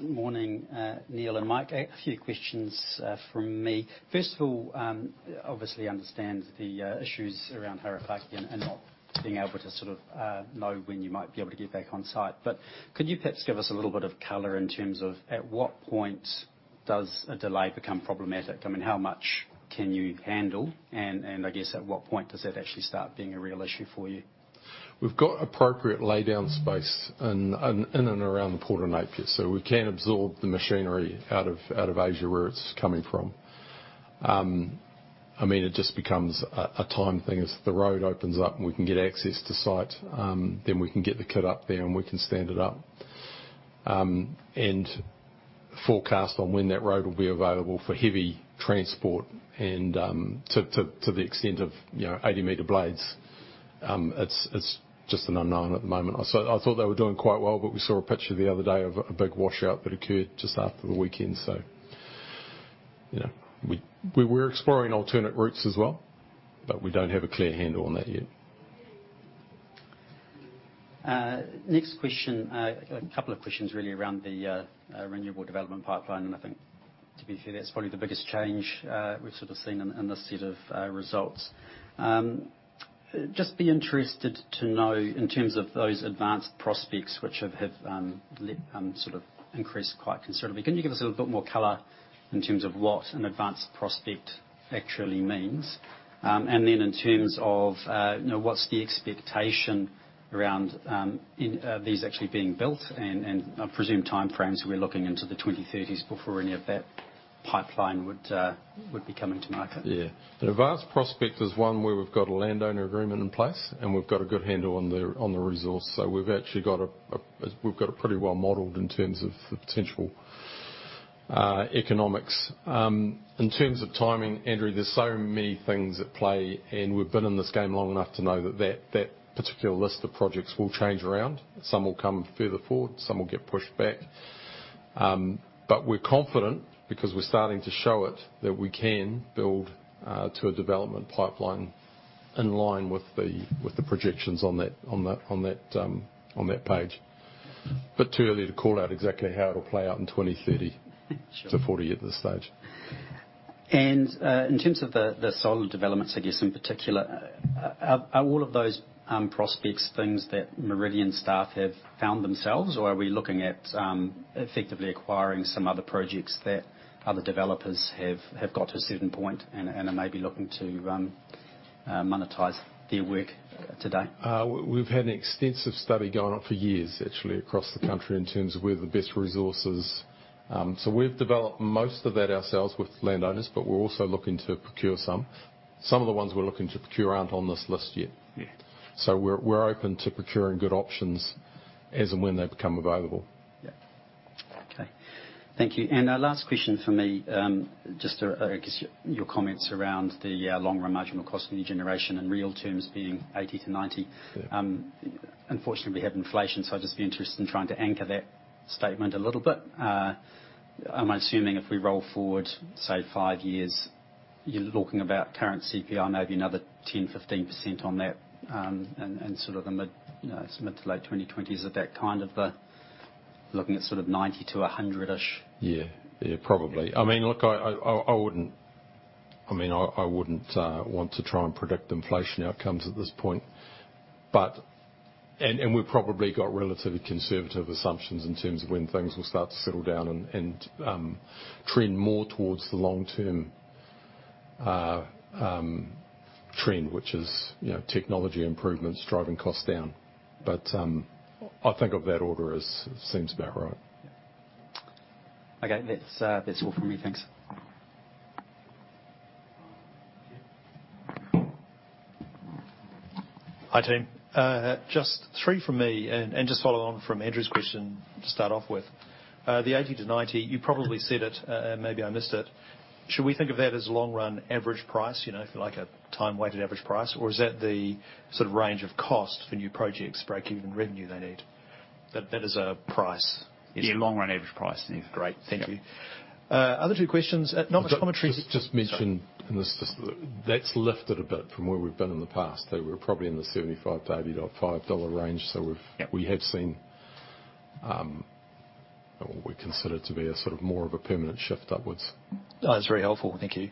C: Morning, Neal and Mike. A few questions from me. First of all, obviously understand the issues around Harapaki and not being able to sort of know when you might be able to get back on site. Could you perhaps give us a little bit of color in terms of at what point does a delay become problematic? I mean, how much can you handle? I guess at what point does that actually start being a real issue for you?
A: We've got appropriate laydown space in and around the Port of Napier, so we can absorb the machinery out of Asia where it's coming from. I mean, it just becomes a time thing. As the road opens up and we can get access to site, then we can get the kit up there, and we can stand it up. Forecast on when that road will be available for heavy transport and to the extent of, you know, 80 meter blades, it's just an unknown at the moment. I thought they were doing quite well, but we saw a picture the other day of a big washout that occurred just after the weekend. You know. We're exploring alternate routes as well, but we don't have a clear handle on that yet.
C: Next question. A couple of questions really around the renewable development pipeline. I think to be fair, that's probably the biggest change we've sort of seen in this set of results. Just be interested to know in terms of those advanced prospects which have increased quite considerably. Can you give us a little bit more color in terms of what an advanced prospect actually means? Then in terms of, you know, what's the expectation around these actually being built and I presume time frames, we're looking into the 2030s before any of that pipeline would be coming to market.
A: Yeah. An advanced prospect is one where we've got a landowner agreement in place, and we've got a good handle on the resource. We've actually got it pretty well modeled in terms of the potential economics. In terms of timing, Andrew, there's so many things at play, and we've been in this game long enough to know that particular list of projects will change around. Some will come further forward, some will get pushed back. We're confident because we're starting to show it, that we can build to a development pipeline in line with the projections on that page. Bit too early to call out exactly how it'll play out in 2030-2040 at this stage.
C: In terms of the solar developments, I guess in particular, are all of those prospects things that Meridian staff have found themselves, or are we looking at effectively acquiring some other projects that other developers have got to a certain point and are maybe looking to monetize their work today?
A: We've had an extensive study going on for years, actually, across the country in terms of where the best resources. We've developed most of that ourselves with landowners, but we're also looking to procure some. Some of the ones we're looking to procure aren't on this list yet.
C: Yeah.
A: We're open to procuring good options as and when they become available.
C: Yeah. Okay. Thank you. Our last question for me, just, I guess your comments around the long run marginal cost of new generation in real terms being 80-90. Unfortunately we have inflation, so I'd just be interested in trying to anchor that statement a little bit. Am I assuming if we roll forward, say, five years, you're talking about current CPI, maybe another 10%-15% on that, in sort of the mid to late 2020s? Is that kind of the looking at sort of 90-100-ish?
A: Yeah. Yeah, probably. I mean, look, I wouldn't, I mean, I wouldn't want to try and predict inflation outcomes at this point. We've probably got relatively conservative assumptions in terms of when things will start to settle down and trend more towards the long-term trend, which is, you know, technology improvements driving costs down. I think of that order as seems about right.
C: Okay. That's, that's all from me. Thanks.
D: Hi, team. Just three from me, and just following on from Andrew's question to start off with. The 80-90, you probably said it, and maybe I missed it. Should we think of that as long run average price? You know, if you like, a time-weighted average price, or is that the sort of range of cost for new projects, breakeven revenue they need? That is a price.
B: Yeah, long run average price.
D: Great. Thank you.
B: Yeah.
D: Other two questions. Not much commentary.
A: Just in this, just that's lifted a bit from where we've been in the past. They were probably in the NZD 75-NZD 85 range. We've... We have seen, what we consider to be a sort of more of a permanent shift upwards.
D: That's very helpful. Thank you.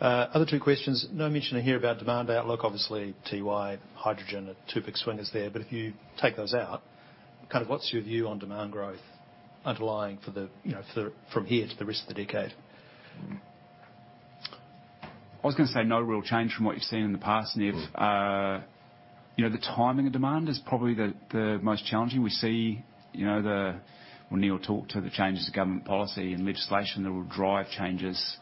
D: Other two questions. No mention in here about demand outlook, obviously, Tiwai hydrogen are two big swingers there, but if you take those out, kind of what's your view on demand growth underlying for the, you know, for the, from here to the rest of the decade?
B: I was gonna say no real change from what you've seen in the past, Nev. you know, the timing of demand is probably the most challenging. Well, Neal talked to the changes in government policy and legislation that will drive changes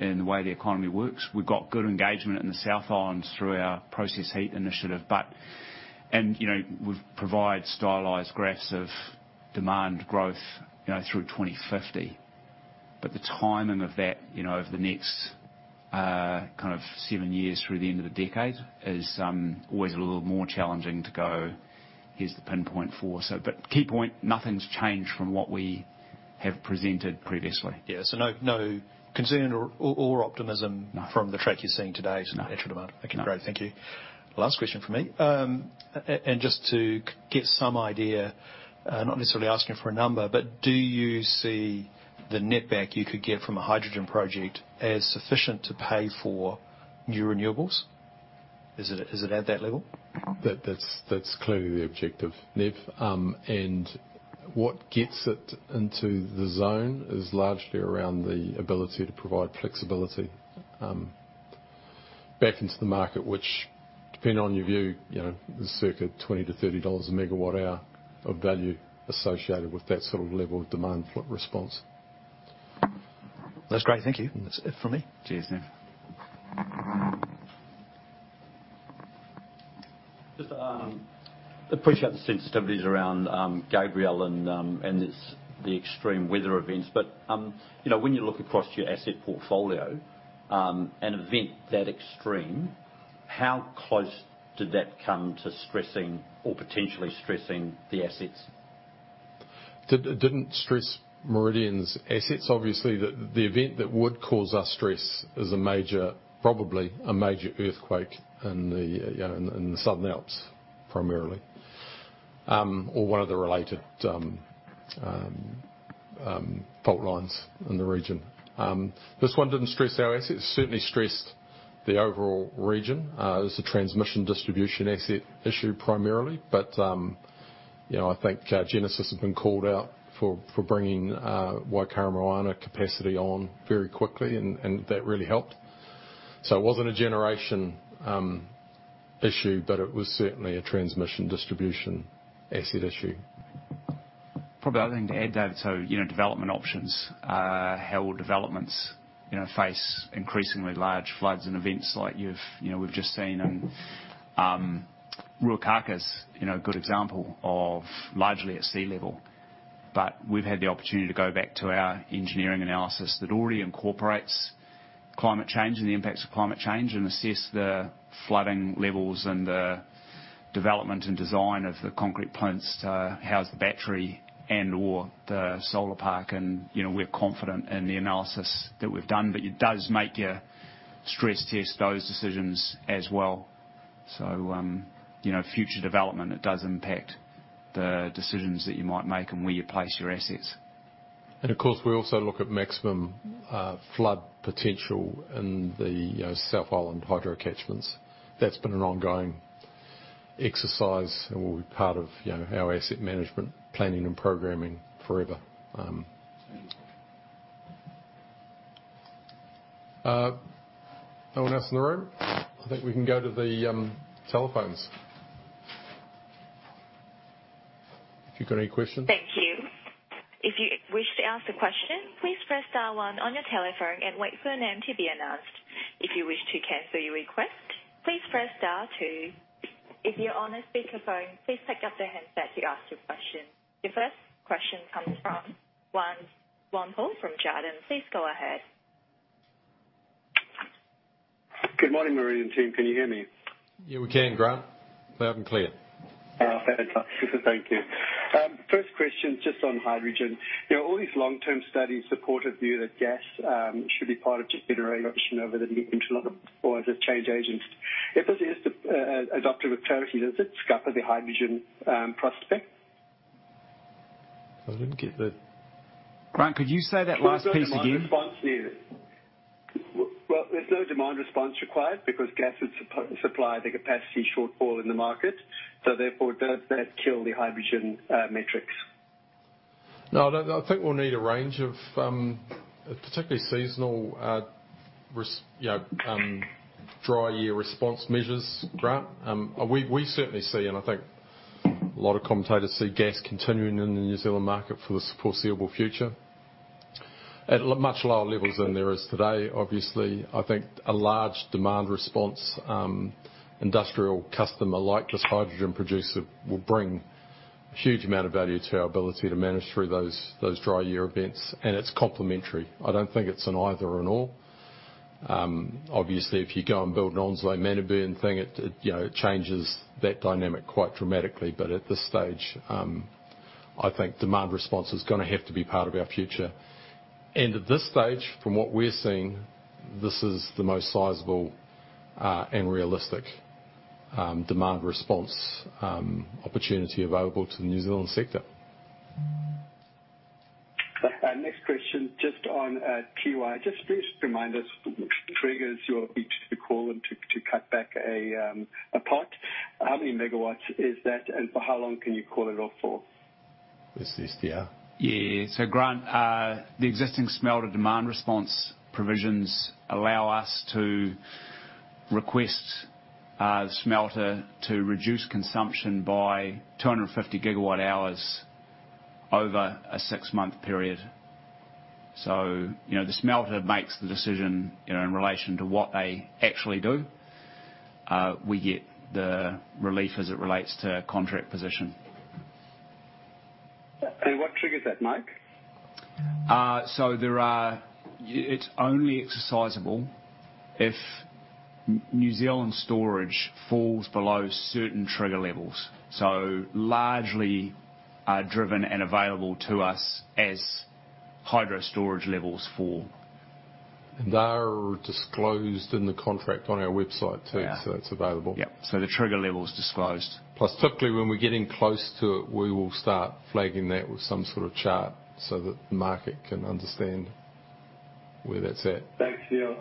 B: in the way the economy works. We've got good engagement in the South Island through our process heat initiative. and, you know, we've provide stylized graphs of demand growth, you know, through 2050. The timing of that, you know, over the next, kind of seven years through the end of the decade is always a little more challenging to go, "Here's the pinpoint for." Key point, nothing's changed from what we have presented previously.
D: Yeah. No concern or optimism from the track you're seeing today to natural demand?
A: No.
D: Okay, great. Thank you. Last question from me. Just to get some idea, not necessarily asking for a number, but do you see the net back you could get from a hydrogen project as sufficient to pay for new renewables? Is it at that level?
A: That's clearly the objective, Nev. What gets it into the zone is largely around the ability to provide flexibility, back into the market, which depending on your view, you know, is circa 20-30 dollars a megawatt hour of value associated with that sort of level of demand response.
D: That's great. Thank you. That's it from me.
A: Cheers, Nev.
E: Just appreciate the sensitivities around Gabrielle and it's the extreme weather events. You know, when you look across your asset portfolio, an event that extreme, how close did that come to stressing or potentially stressing the assets?
A: Didn't stress Meridian's assets. Obviously, the event that would cause us stress is a major, probably a major earthquake in the, you know, in the Southern Alps primarily, or one of the related fault lines in the region. This one didn't stress our assets. Certainly stressed the overall region. It was a transmission distribution asset issue primarily. You know, I think Genesis has been called out for bringing Waikaremoana capacity on very quickly and that really helped. It wasn't a generation issue, but it was certainly a transmission distribution asset issue.
B: Probably other thing to add, David. You know, development options, how will developments, you know, face increasingly large floods and events like you've, you know, we've just seen in Ruakākā's, you know, a good example of largely at sea level. We've had the opportunity to go back to our engineering analysis that already incorporates climate change and the impacts of climate change and assess the flooding levels and the development and design of the concrete plinths to house the battery and or the solar park. You know, we're confident in the analysis that we've done, but it does make you stress test those decisions as well. You know, future development, it does impact the decisions that you might make and where you place your assets.
A: Of course, we also look at maximum flood potential in the, you know, South Island hydro catchments. That's been an ongoing exercise and will be part of, you know, our asset management planning and programming forever. No one else in the room? I think we can go to the telephones. If you've got any questions.
F: Thank you. If you wish to ask a question, please press star one on your telephone and wait for your name to be announced. If you wish to cancel your request, please press star two. If you're on a speakerphone, please pick up the handset to ask your question. Your first question comes from Grant Swanepoel from Jarden. Please go ahead.
G: Good morning, Meridian team. Can you hear me?
A: Yeah, we can, Grant. Loud and clear.
G: Oh, fantastic. Thank you. First question, just on hydrogen. You know, all these long-term studies support a view that gas should be part of generation over the medium term or as a change agent. If this is adopted with clarity, does it scupper the hydrogen prospect?
A: I didn't get the.
B: Grant, could you say that last piece again?
G: There's no demand response needed. Well, there's no demand response required because gas would supply the capacity shortfall in the market. Therefore, does that kill the hydrogen metrics?
A: No, I don't. I think we'll need a range of particularly seasonal dry year response measures, Grant. We certainly see, and I think a lot of commentators see gas continuing in the New Zealand market for the foreseeable future at much lower levels than there is today, obviously. I think a large demand response industrial customer like this hydrogen producer will bring a huge amount of value to our ability to manage through those dry year events, and it's complementary. I don't think it's an either/or. Obviously, if you go and build an [Onslow Manuherikia] thing, it changes that dynamic quite dramatically. At this stage, I think demand response is gonna have to be part of our future. At this stage, from what we're seeing, this is the most sizable and realistic demand response opportunity available to the New Zealand sector.
G: Next question, just on Tiwai. Just please remind us what triggers your itch to call and to cut back a pot. How many megawatts is that, and for how long can you call it off for?
A: Is this the?
B: Yeah. Grant, the existing smelter demand response provisions allow us to request smelter to reduce consumption by 250 GWh over a six-month period. You know, the smelter makes the decision, you know, in relation to what they actually do. We get the relief as it relates to contract position.
G: What triggers that, Mike?
B: It's only exercisable if New Zealand storage falls below certain trigger levels, so largely are driven and available to us as hydro storage levels fall.
A: They are disclosed in the contract on our website too.
B: Yeah.
A: It's available.
B: Yep. The trigger level is disclosed.
A: Typically, when we're getting close to it, we will start flagging that with some sort of chart so that the market can understand where that's at.
G: Thanks, Neal.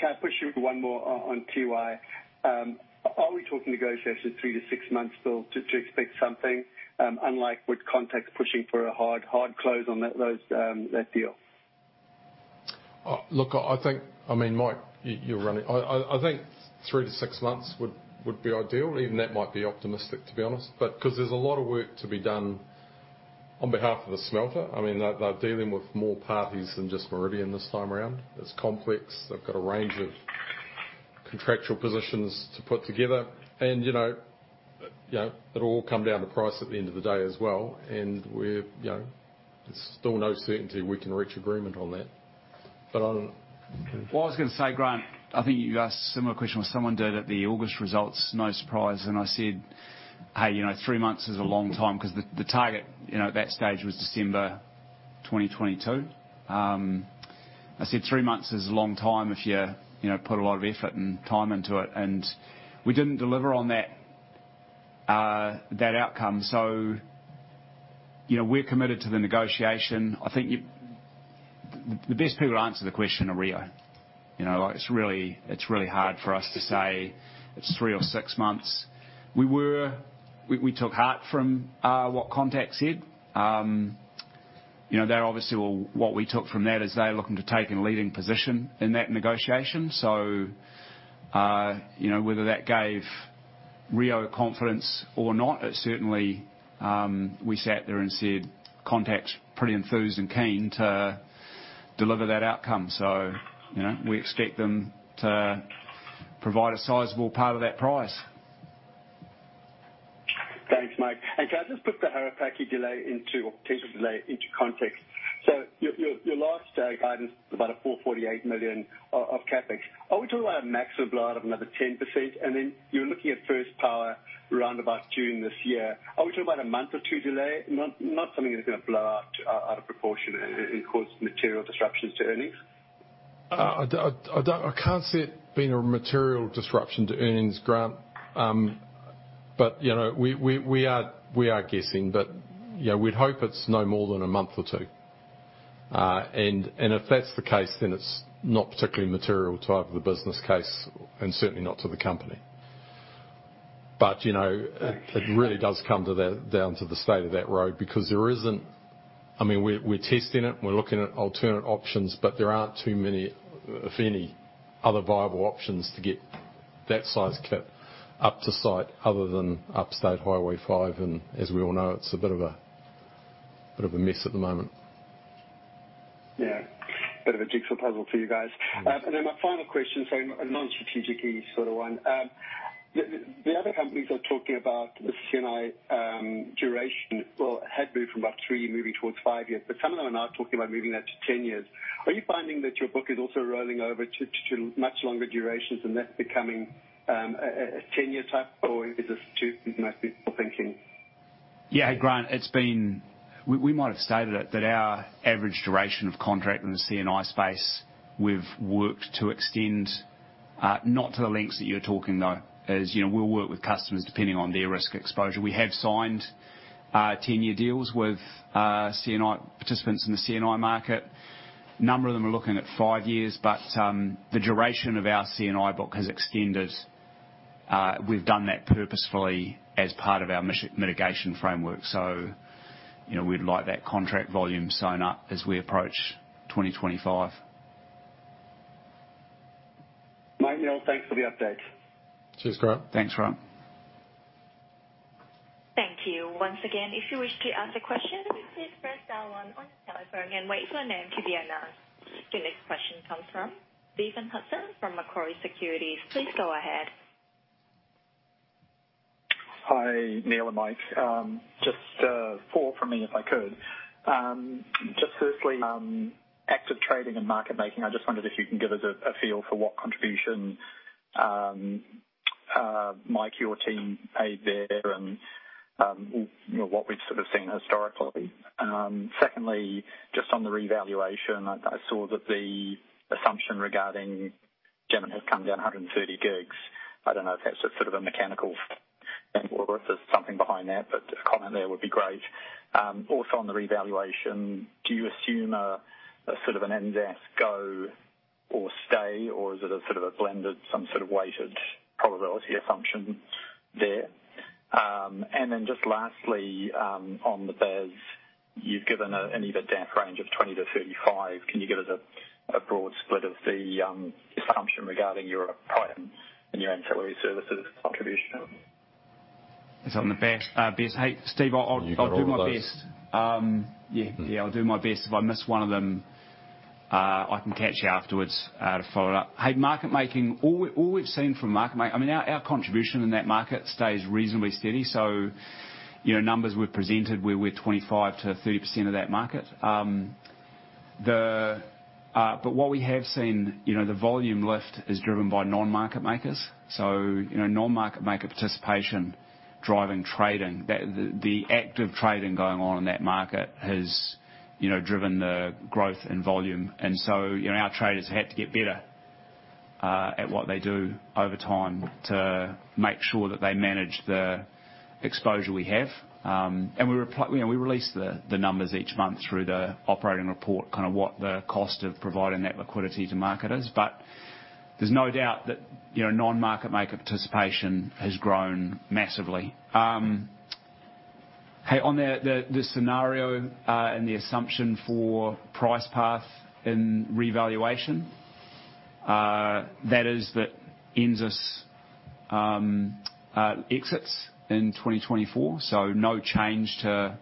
G: Can I push you for one more on Tiwai? Are we talking negotiations three to six months still to expect something, unlike with Contact Energy pushing for a hard close on that deal?
A: Look, I mean, Mike, you're running. I think three to six months would be ideal. Even that might be optimistic, to be honest. 'Cause there's a lot of work to be done on behalf of the smelter. I mean, they're dealing with more parties than just Meridian this time around. It's complex. They've got a range of contractual positions to put together and, you know, it'll all come down to price at the end of the day as well. We're, you know, there's still no certainty we can reach agreement on that.
B: I was gonna say, Grant, I think you asked a similar question or someone did at the August results. No surprise. I said, "Hey, you know, three months is a long time," 'cause the target, you know, at that stage was December 2022. I said, "Three months is a long time if you know, put a lot of effort and time into it." We didn't deliver on that outcome. You know, we're committed to the negotiation. I think you. The best people to answer the question are Rio. You know, it's really, it's really hard for us to say it's three or six months. We took heart from what Contact said. You know, they're obviously all... What we took from that is they're looking to take a leading position in that negotiation. you know, whether that gave Rio confidence or not, it certainly, we sat there and said, "Contact's pretty enthused and keen to deliver that outcome." you know, we expect them to provide a sizable part of that price.
G: Thanks, Mike. Can I just put the Harapaki delay into, or potential delay into context? Your last guidance was about a 448 million of CapEx. Are we talking about a maximum blow out of another 10%? Then you're looking at first power roundabout during this year. Are we talking about a month or two delay? Not something that's gonna blow out out of proportion and cause material disruptions to earnings.
A: I can't see it being a material disruption to earnings, Grant. You know, we, we are, we are guessing. You know, we'd hope it's no more than a month or two. If that's the case, then it's not particularly material to either of the business case and certainly not to the company. You know, it really does come to that, down to the state of that road, because there isn't. I mean, we're testing it and we're looking at alternate options, but there aren't too many, if any, other viable options to get that size kit up to site other than upstate Highway 5. As we all know, it's a bit of a mess at the moment.
G: Yeah. Bit of a jigsaw puzzle for you guys.
A: Mm-hmm.
G: My final question, so a non-strategic-y sort of one. The other companies are talking about the C&I duration, or had been from about three, moving towards five years, but some of them are now talking about moving that to 10 years. Are you finding that your book is also rolling over to much longer durations, and that's becoming a 10-year type, or is it just too soon I think for thinking?
B: Yeah. Grant, it's been. We might have stated it, that our average duration of contract in the C&I space, we've worked to extend, not to the lengths that you're talking, though. As you know, we'll work with customers depending on their risk exposure. We have signed, 10-year deals with, C&I, participants in the C&I market. A number of them are looking at five years, but, the duration of our C&I book has extended. We've done that purposefully as part of our mitigation framework, so, you know, we'd like that contract volume sewn up as we approach 2025.
G: Mike, Neal, thanks for the update.
A: Cheers, Grant.
B: Thanks, Grant.
F: Thank you. Once again, if you wish to ask a question, please press star one on your telephone and wait for your name to be announced. The next question comes from Stephen Hudson from Macquarie Securities. Please go ahead.
H: Hi, Neal and Mike. Just four from me, if I could. Just firstly, active trading and market making. I just wondered if you can give us a feel for what contribution, Mike, your team made there and, you know, what we've sort of seen historically. Secondly, just on the revaluation, I saw that the assumption regarding German has come down 130 GWh. I don't know if that's a sort of a mechanical and or if there's something behind that, but a comment there would be great. Also on the revaluation, do you assume a sort of an NZAS go or stay, or is it a sort of a blended, some sort of weighted probability assumption there? Just lastly, on the BESS, you've given an EBITDAF range of 20-35. Can you give us a broad split of the assumption regarding your items and your ancillary services contribution?
B: It's on the BESS. BESS. Hey, Steve, I'll do my best.
H: You got all of those.
B: Yeah. Yeah, I'll do my best. If I miss one of them, I can catch you afterwards to follow it up. Hey, market making, all we've seen from market, I mean, our contribution in that market stays reasonably steady. You know, numbers we've presented, we're with 25%-30% of that market. What we have seen, you know, the volume lift is driven by non-market makers. You know, non-market maker participation driving trading. The active trading going on in that market has, you know, driven the growth in volume. Our traders have had to get better at what they do over time to make sure that they manage the exposure we have. We, you know, we release the numbers each month through the operating report, kind of what the cost of providing that liquidity to market is. There's no doubt that, you know, non-market maker participation has grown massively. Hey, on the, the scenario, and the assumption for price path and revaluation, that is that NZAS exits in 2024, so no change to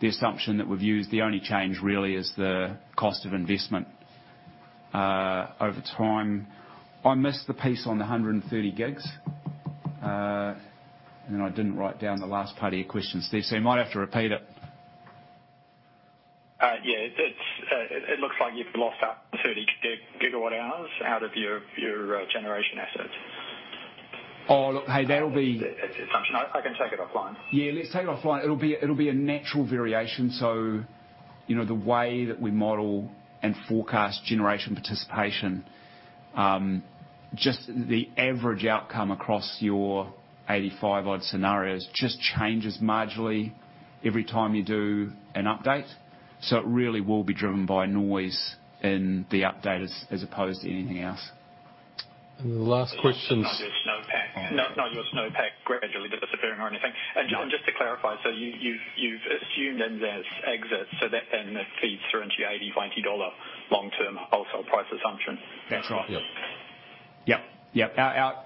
B: the assumption that we've used. The only change really is the cost of investment over time. I missed the piece on the 130 GWh. I didn't write down the last part of your question, Steve, so you might have to repeat it.
H: Yeah. It looks like you've lost that 130 GWh out of your generation assets.
B: Oh, look, hey.
H: It's an assumption. I can take it offline.
B: Yeah, let's take it offline. It'll be a natural variation. You know, the way that we model and forecast generation participation, just the average outcome across your 85 odd scenarios just changes marginally every time you do an update. It really will be driven by noise in the update as opposed to anything else.
A: The last question's-.
H: Not your snowpack gradually disappearing or anything. Just to clarify, you've assumed NZAS exits, that feeds through into your NZD 80-NZD 90 long-term wholesale price assumption. That's right. Yeah.
B: Yep. Our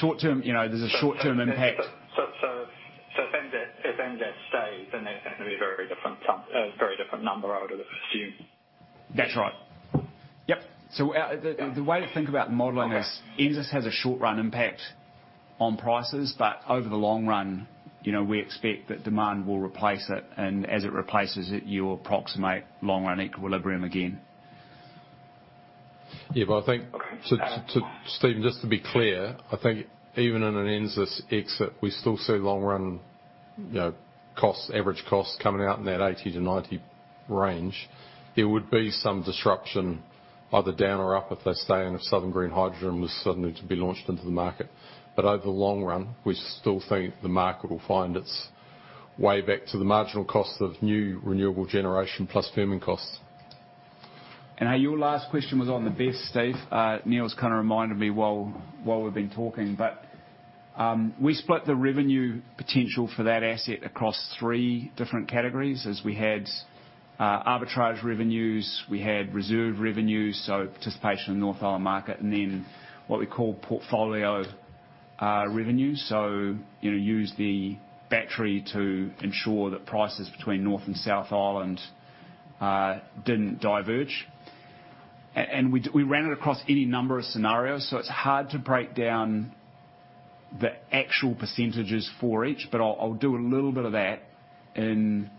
B: short-term, you know, there's a short-term impact.
H: If NZAS stays, then that's going to be a very different number, I would assume.
B: That's right. Yep. Our... The way to think about modeling NZAS has a short-run impact on prices, but over the long run, you know, we expect that demand will replace it, and as it replaces it, you approximate long-run equilibrium again.
A: Yeah. So Stephen, just to be clear, I think even in an NZAS exit, we still see long run, you know, costs, average costs coming out in that 80-90 range. There would be some disruption either down or up if they stay in if Southern Green Hydrogen was suddenly to be launched into the market. Over the long run, we still think the market will find its way back to the marginal cost of new renewable generation plus firming costs.
B: Your last question was on the BESS, Steve. Neal's kinda reminded me while we've been talking. We split the revenue potential for that asset across three different categories. As we had arbitrage revenues, we had reserve revenues, so participation in North Island market, and then what we call portfolio revenue. You know, use the battery to ensure that prices between North and South Island didn't diverge. And we ran it across any number of scenarios, so it's hard to break down the actual percentages for each. I'll do a little bit of that in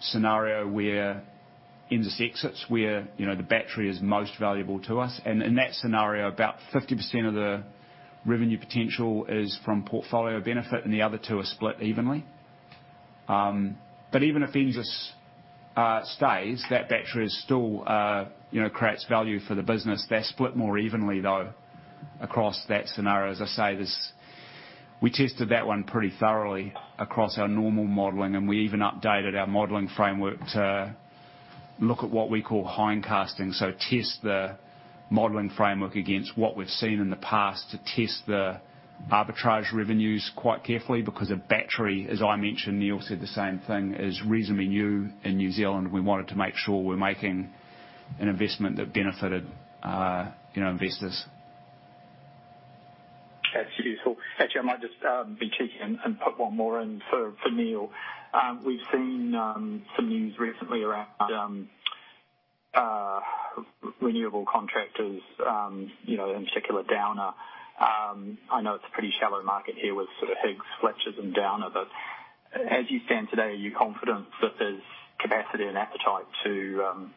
B: scenario where NZAS exits, where, you know, the battery is most valuable to us. In that scenario, about 50% of the revenue potential is from portfolio benefit, and the other two are split evenly. Even if NZAS stays, that battery is still, you know, creates value for the business. They're split more evenly, though, across that scenario. As I say, we tested that one pretty thoroughly across our normal modeling, and we even updated our modeling framework to look at what we call hindcasting. Test the modeling framework against what we've seen in the past to test the arbitrage revenues quite carefully because a battery, as I mentioned, Neal said the same thing, is reasonably new in New Zealand. We wanted to make sure we're making an investment that benefited, you know, investors.
H: That's useful. Actually, I might just be cheeky and put one more in for Neal. We've seen some news recently around renewable contractors, you know, in particular, Downer. I know it's a pretty shallow market here with sort of Higgins, Fletchers and Downer, but as you stand today, are you confident that there's capacity and appetite to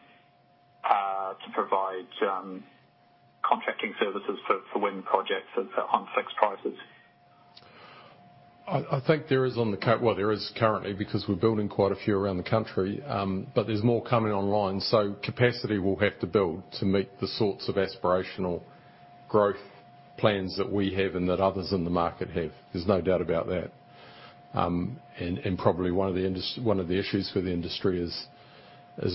H: provide contracting services for wind projects on fixed prices?
A: I think there is on the well, there is currently, because we're building quite a few around the country, but there's more coming online. Capacity we'll have to build to meet the sorts of aspirational growth plans that we have and that others in the market have. There's no doubt about that. And probably one of the issues for the industry is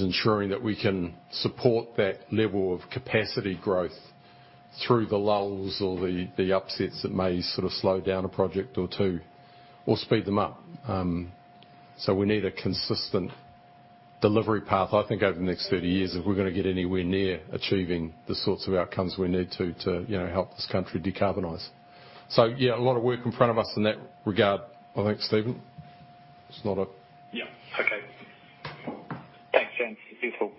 A: ensuring that we can support that level of capacity growth through the lulls or the upsets that may sort of slow down a project or two, or speed them up. We need a consistent delivery path, I think over the next 30 years, if we're gonna get anywhere near achieving the sorts of outcomes we need to, you know, help this country decarbonize. Yeah, a lot of work in front of us in that regard. What do you think, Stephen?
H: Yeah. Okay. Thanks, gents. It's useful.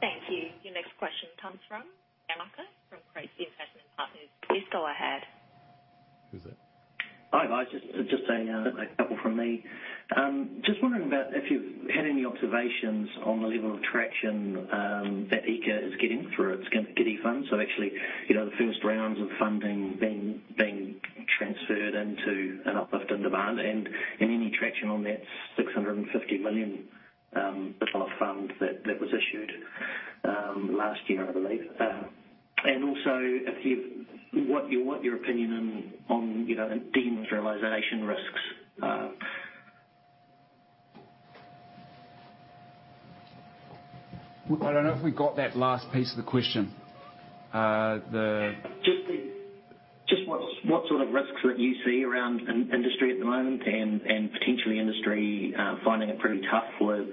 F: Thank you. Your next question comes from Cameron Parker from Craigs Investment Partners. Please go ahead.
A: Who's that?
I: Hi, guys. Just a couple from me. Just wondering about if you've had any observations on the level of traction that EECA is getting through its GIDI Fund. Actually, you know, the first rounds of funding being transferred into an uplift in demand and any traction on that 650 million dollar bit of fund that was issued last year, I believe. Also, what your opinion on, you know, deemed realization risks...
B: I don't know if we got that last piece of the question.
I: Just what sort of risks that you see around in-industry at the moment and potentially industry finding it pretty tough with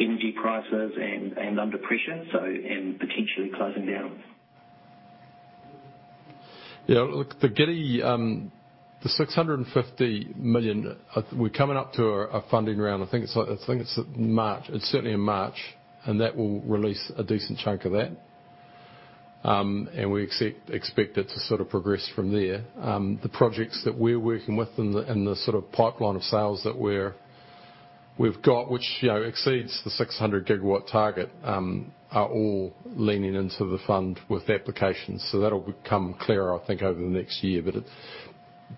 I: energy prices and under pressure, so, and potentially closing down.
A: Yeah. Look, the GIDI. The 650 million, we're coming up to a funding round. I think it's like, I think it's March. It's certainly in March, and that will release a decent chunk of that. We expect it to sort of progress from there. The projects that we're working with in the sort of pipeline of sales that we've got, which, you know, exceeds the 600 GW target, are all leaning into the fund with applications. That'll become clearer I think over the next year. It.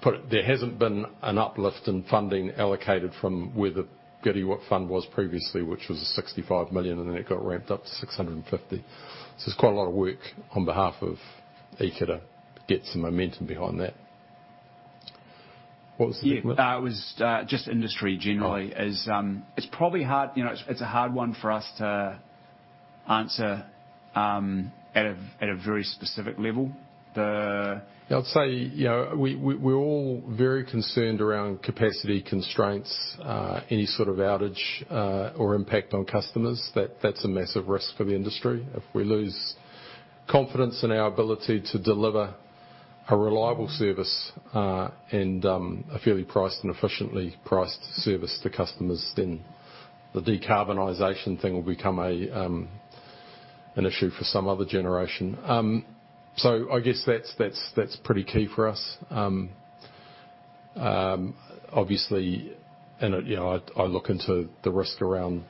A: Put it, there hasn't been an uplift in funding allocated from where the GIDI, what fund was previously, which was 65 million, and then it got ramped up to 650 million. It's quite a lot of work on behalf of EECA to get some momentum behind that. What was the second one?
B: Yeah. It was just industry generally.
A: Oh.
B: Is, it's probably hard, you know, it's a hard one for us to answer, at a very specific level.
A: I'd say, you know, we're all very concerned around capacity constraints, any sort of outage or impact on customers, that's a massive risk for the industry. If we lose confidence in our ability to deliver a reliable service, and a fairly priced and efficiently priced service to customers, then the decarbonization thing will become an issue for some other generation. I guess that's pretty key for us. Obviously, you know, I look into the risk around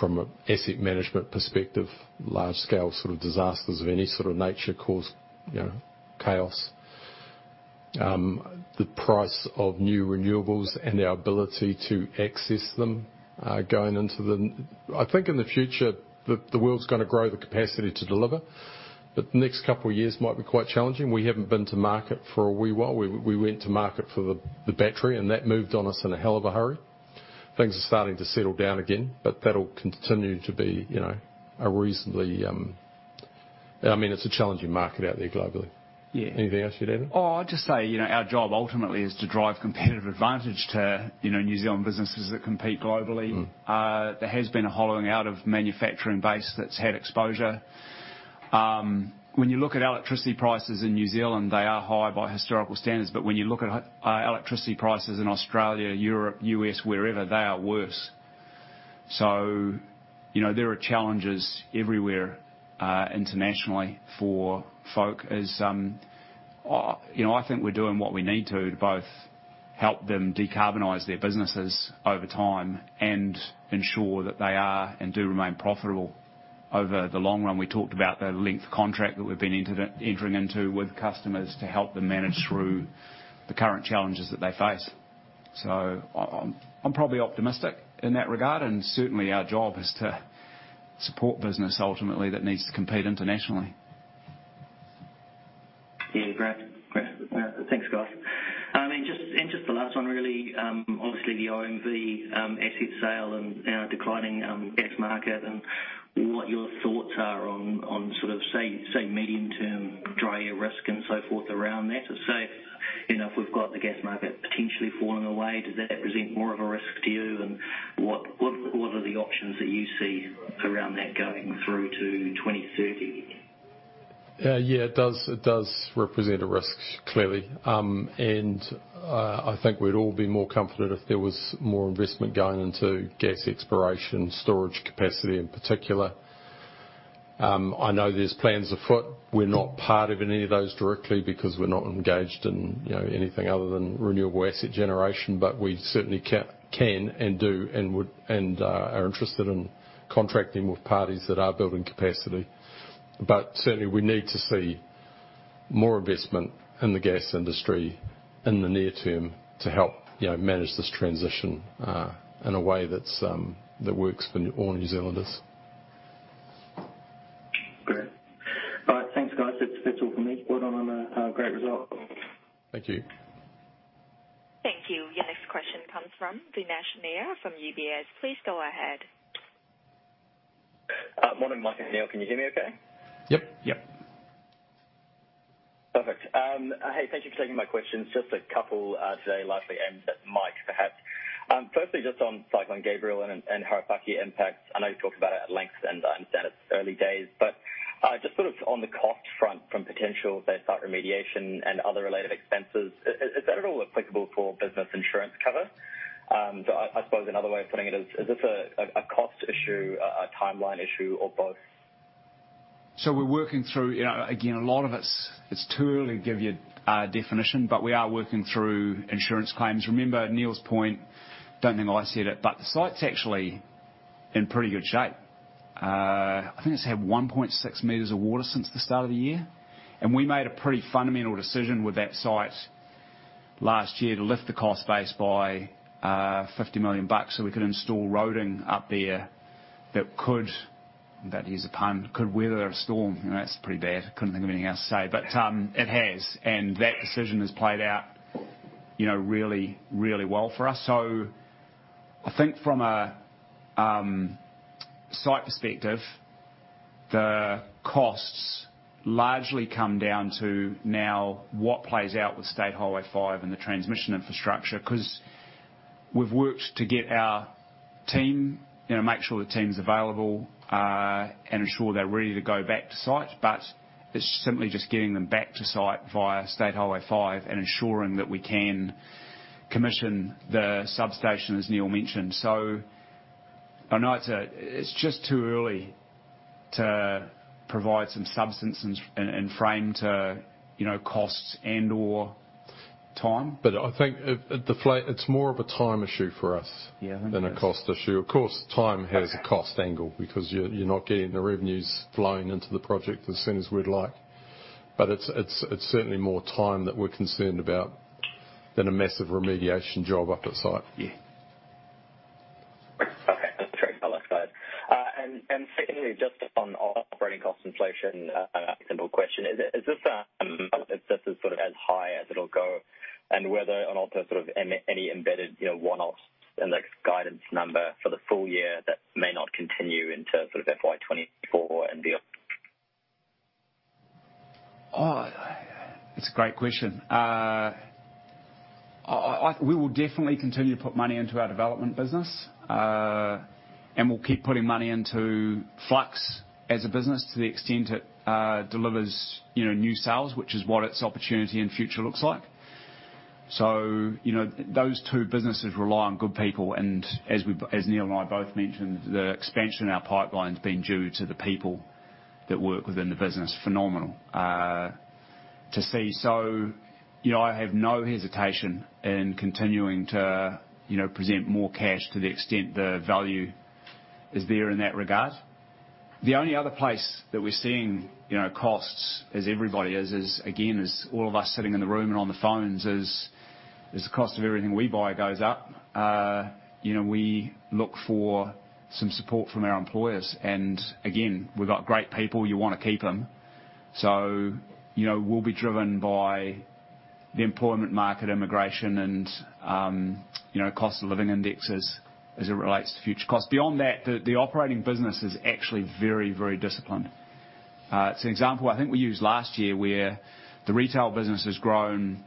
A: from an asset management perspective, large scale sort of disasters of any sort of nature cause, you know, chaos. The price of new renewables and our ability to access them, going into the... I think in the future, the world's gonna grow the capacity to deliver. The next couple of years might be quite challenging. We haven't been to market for a wee while. We went to market for the battery, that moved on us in a hell of a hurry. Things are starting to settle down again, that'll continue to be, you know, a reasonably. I mean, it's a challenging market out there globally.
B: Yeah.
A: Anything else you'd add?
B: I'll just say, you know, our job ultimately is to drive competitive advantage to, you know, New Zealand businesses that compete globally.
A: Mm.
B: There has been a hollowing out of manufacturing base that's had exposure. When you look at electricity prices in New Zealand, they are high by historical standards. When you look at electricity prices in Australia, Europe, U.S., wherever, they are worse. You know, there are challenges everywhere internationally for folk as. You know, I think we're doing what we need to both help them decarbonize their businesses over time and ensure that they are and do remain profitable over the long run. We talked about the length contract that we've been entering into with customers to help them manage through the current challenges that they face. I'm probably optimistic in that regard, and certainly our job is to support business ultimately that needs to compete internationally.
I: Yeah. Great. Great. Thanks, guys. I mean, just the last one, really, obviously the OMV asset sale and our declining gas market and what your thoughts are on sort of say medium-term dry air risk and so forth around that. If, you know, if we've got the gas market potentially falling away, does that present more of a risk to you? What are the options that you see around that going through to 2030?
A: Yeah, it does. It does represent a risk, clearly. I think we'd all be more confident if there was more investment going into gas exploration, storage capacity in particular. I know there's plans afoot. We're not part of any of those directly because we're not engaged in, you know, anything other than renewable asset generation. We certainly can and do and would and are interested in contracting with parties that are building capacity. Certainly we need to see more investment in the gas industry in the near term to help, you know, manage this transition in a way that works for all New Zealanders.
I: Great. All right, thanks, guys. That's all from me. Well done on a great result.
A: Thank you.
F: Thank you. Your next question comes from Vignesh Nair from UBS. Please go ahead.
J: Morning, Mike and Neal. Can you hear me okay?
A: Yep.
B: Yep.
J: Perfect. Hey, thank you for taking my questions. Just a couple today, likely aimed at Mike, perhaps. Firstly, just on Cyclone Gabrielle and Harapaki impact. I know you've talked about it at length, and I understand it's early days. Just sort of on the cost front from potential site remediation and other related expenses, is that at all applicable for business insurance cover? I suppose another way of putting it is this a cost issue, a timeline issue, or both?
B: We're working through, you know, again, a lot of it's too early to give you a definition, but we are working through insurance claims. Remember Neal's point, don't think I said it, but the site's actually in pretty good shape. I think it's had 1.6 meters of water since the start of the year, we made a pretty fundamental decision with that site last year to lift the cost base by 50 million bucks, so we could install roading up there that could, bad to use a pun, could weather a storm. You know, that's pretty bad. Couldn't think of anything else to say. It has, that decision has played out, you know, really, really well for us. I think from a site perspective, the costs largely come down to now what plays out with State Highway 5 and the transmission infrastructure. 'Cause we've worked to get our team, you know, make sure the team's available and ensure they're ready to go back to site. It's simply just getting them back to site via State Highway 5 and ensuring that we can commission the substation, as Neal Barclay mentioned. I know it's just too early to provide some substance and frame to, you know, costs and or time.
A: I think it's more of a time issue for us.than a cost issue. Of course, time has a cost angle because you're not getting the revenues flowing into the project as soon as we'd like. It's certainly more time that we're concerned about than a massive remediation job up at site.
B: Yeah.
J: Okay. That's great color side. Secondly, just on operating cost inflation, simple question. Is this is sort of as high as it'll go and whether or not there's sort of any embedded, you know, one-offs in the guidance number for the full year that may not continue into sort of FY 2024 and beyond?
B: That's a great question. We will definitely continue to put money into our development business, and we'll keep putting money into Flux as a business to the extent it delivers, you know, new sales, which is what its opportunity and future looks like. You know, those two businesses rely on good people, and as Neal and I both mentioned, the expansion in our pipeline's been due to the people that work within the business. Phenomenal to see. You know, I have no hesitation in continuing to, you know, present more cash to the extent the value is there in that regard. The only other place that we're seeing, you know, costs as everybody is again, all of us sitting in the room and on the phones is the cost of everything we buy goes up. You know, we look for some support from our employers. Again, we've got great people. You wanna keep them. You know, we'll be driven by the employment market, immigration and, you know, cost of living indexes as it relates to future costs. Beyond that, the operating business is actually very, very disciplined. It's an example I think we used last year, where the retail business has grown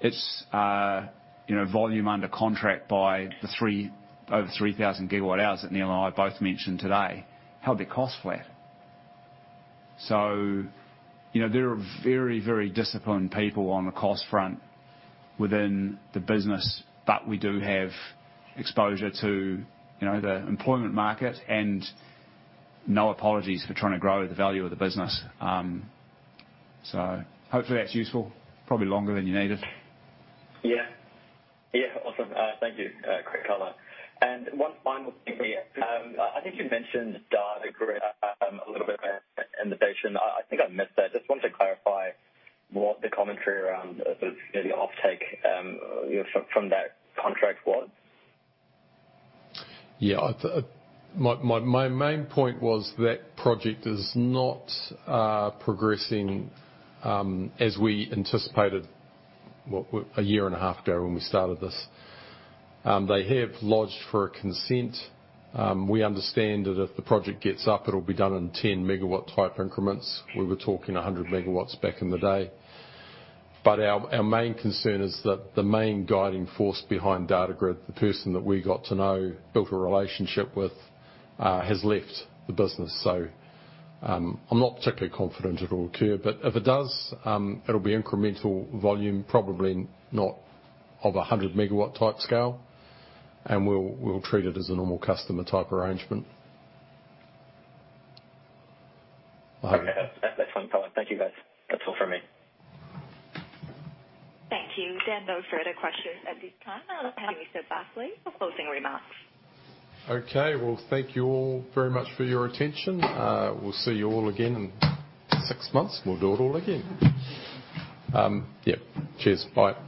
B: its, you know, volume under contract by over 3,000 GWh that Neal and I both mentioned today, held their cost flat. You know, there are very, very disciplined people on the cost front within the business. We do have exposure to, you know, the employment market and no apologies for trying to grow the value of the business. Hopefully that's useful. Probably longer than you needed.
J: Yeah. Yeah. Awesome. Thank you. Great color. One final thing for me. I think you mentioned DataGrid, a little bit in the presentation. I think I missed that. Just wanted to clarify what the commentary around sort of, you know, the offtake, you know, from that contract was.
A: Yeah. I, my main point was that project is not progressing as we anticipated a year and a half ago when we started this. They have lodged for a consent. We understand that if the project gets up, it'll be done in 10 MW type increments. We were talking 100 MW back in the day. Our main concern is that the main guiding force behind DataGrid, the person that we got to know, built a relationship with, has left the business. I'm not particularly confident it'll occur, but if it does, it'll be incremental volume, probably not of a 100 MW type scale, and we'll treat it as a normal customer type arrangement. I hope.
J: Okay. That's fine color. Thank you, guys. That's all from me.
F: Thank you. There are no further questions at this time. Passing you to Barclay for closing remarks.
A: Okay. Well, thank you all very much for your attention. We'll see you all again in six months, and we'll do it all again. Yeah. Cheers. Bye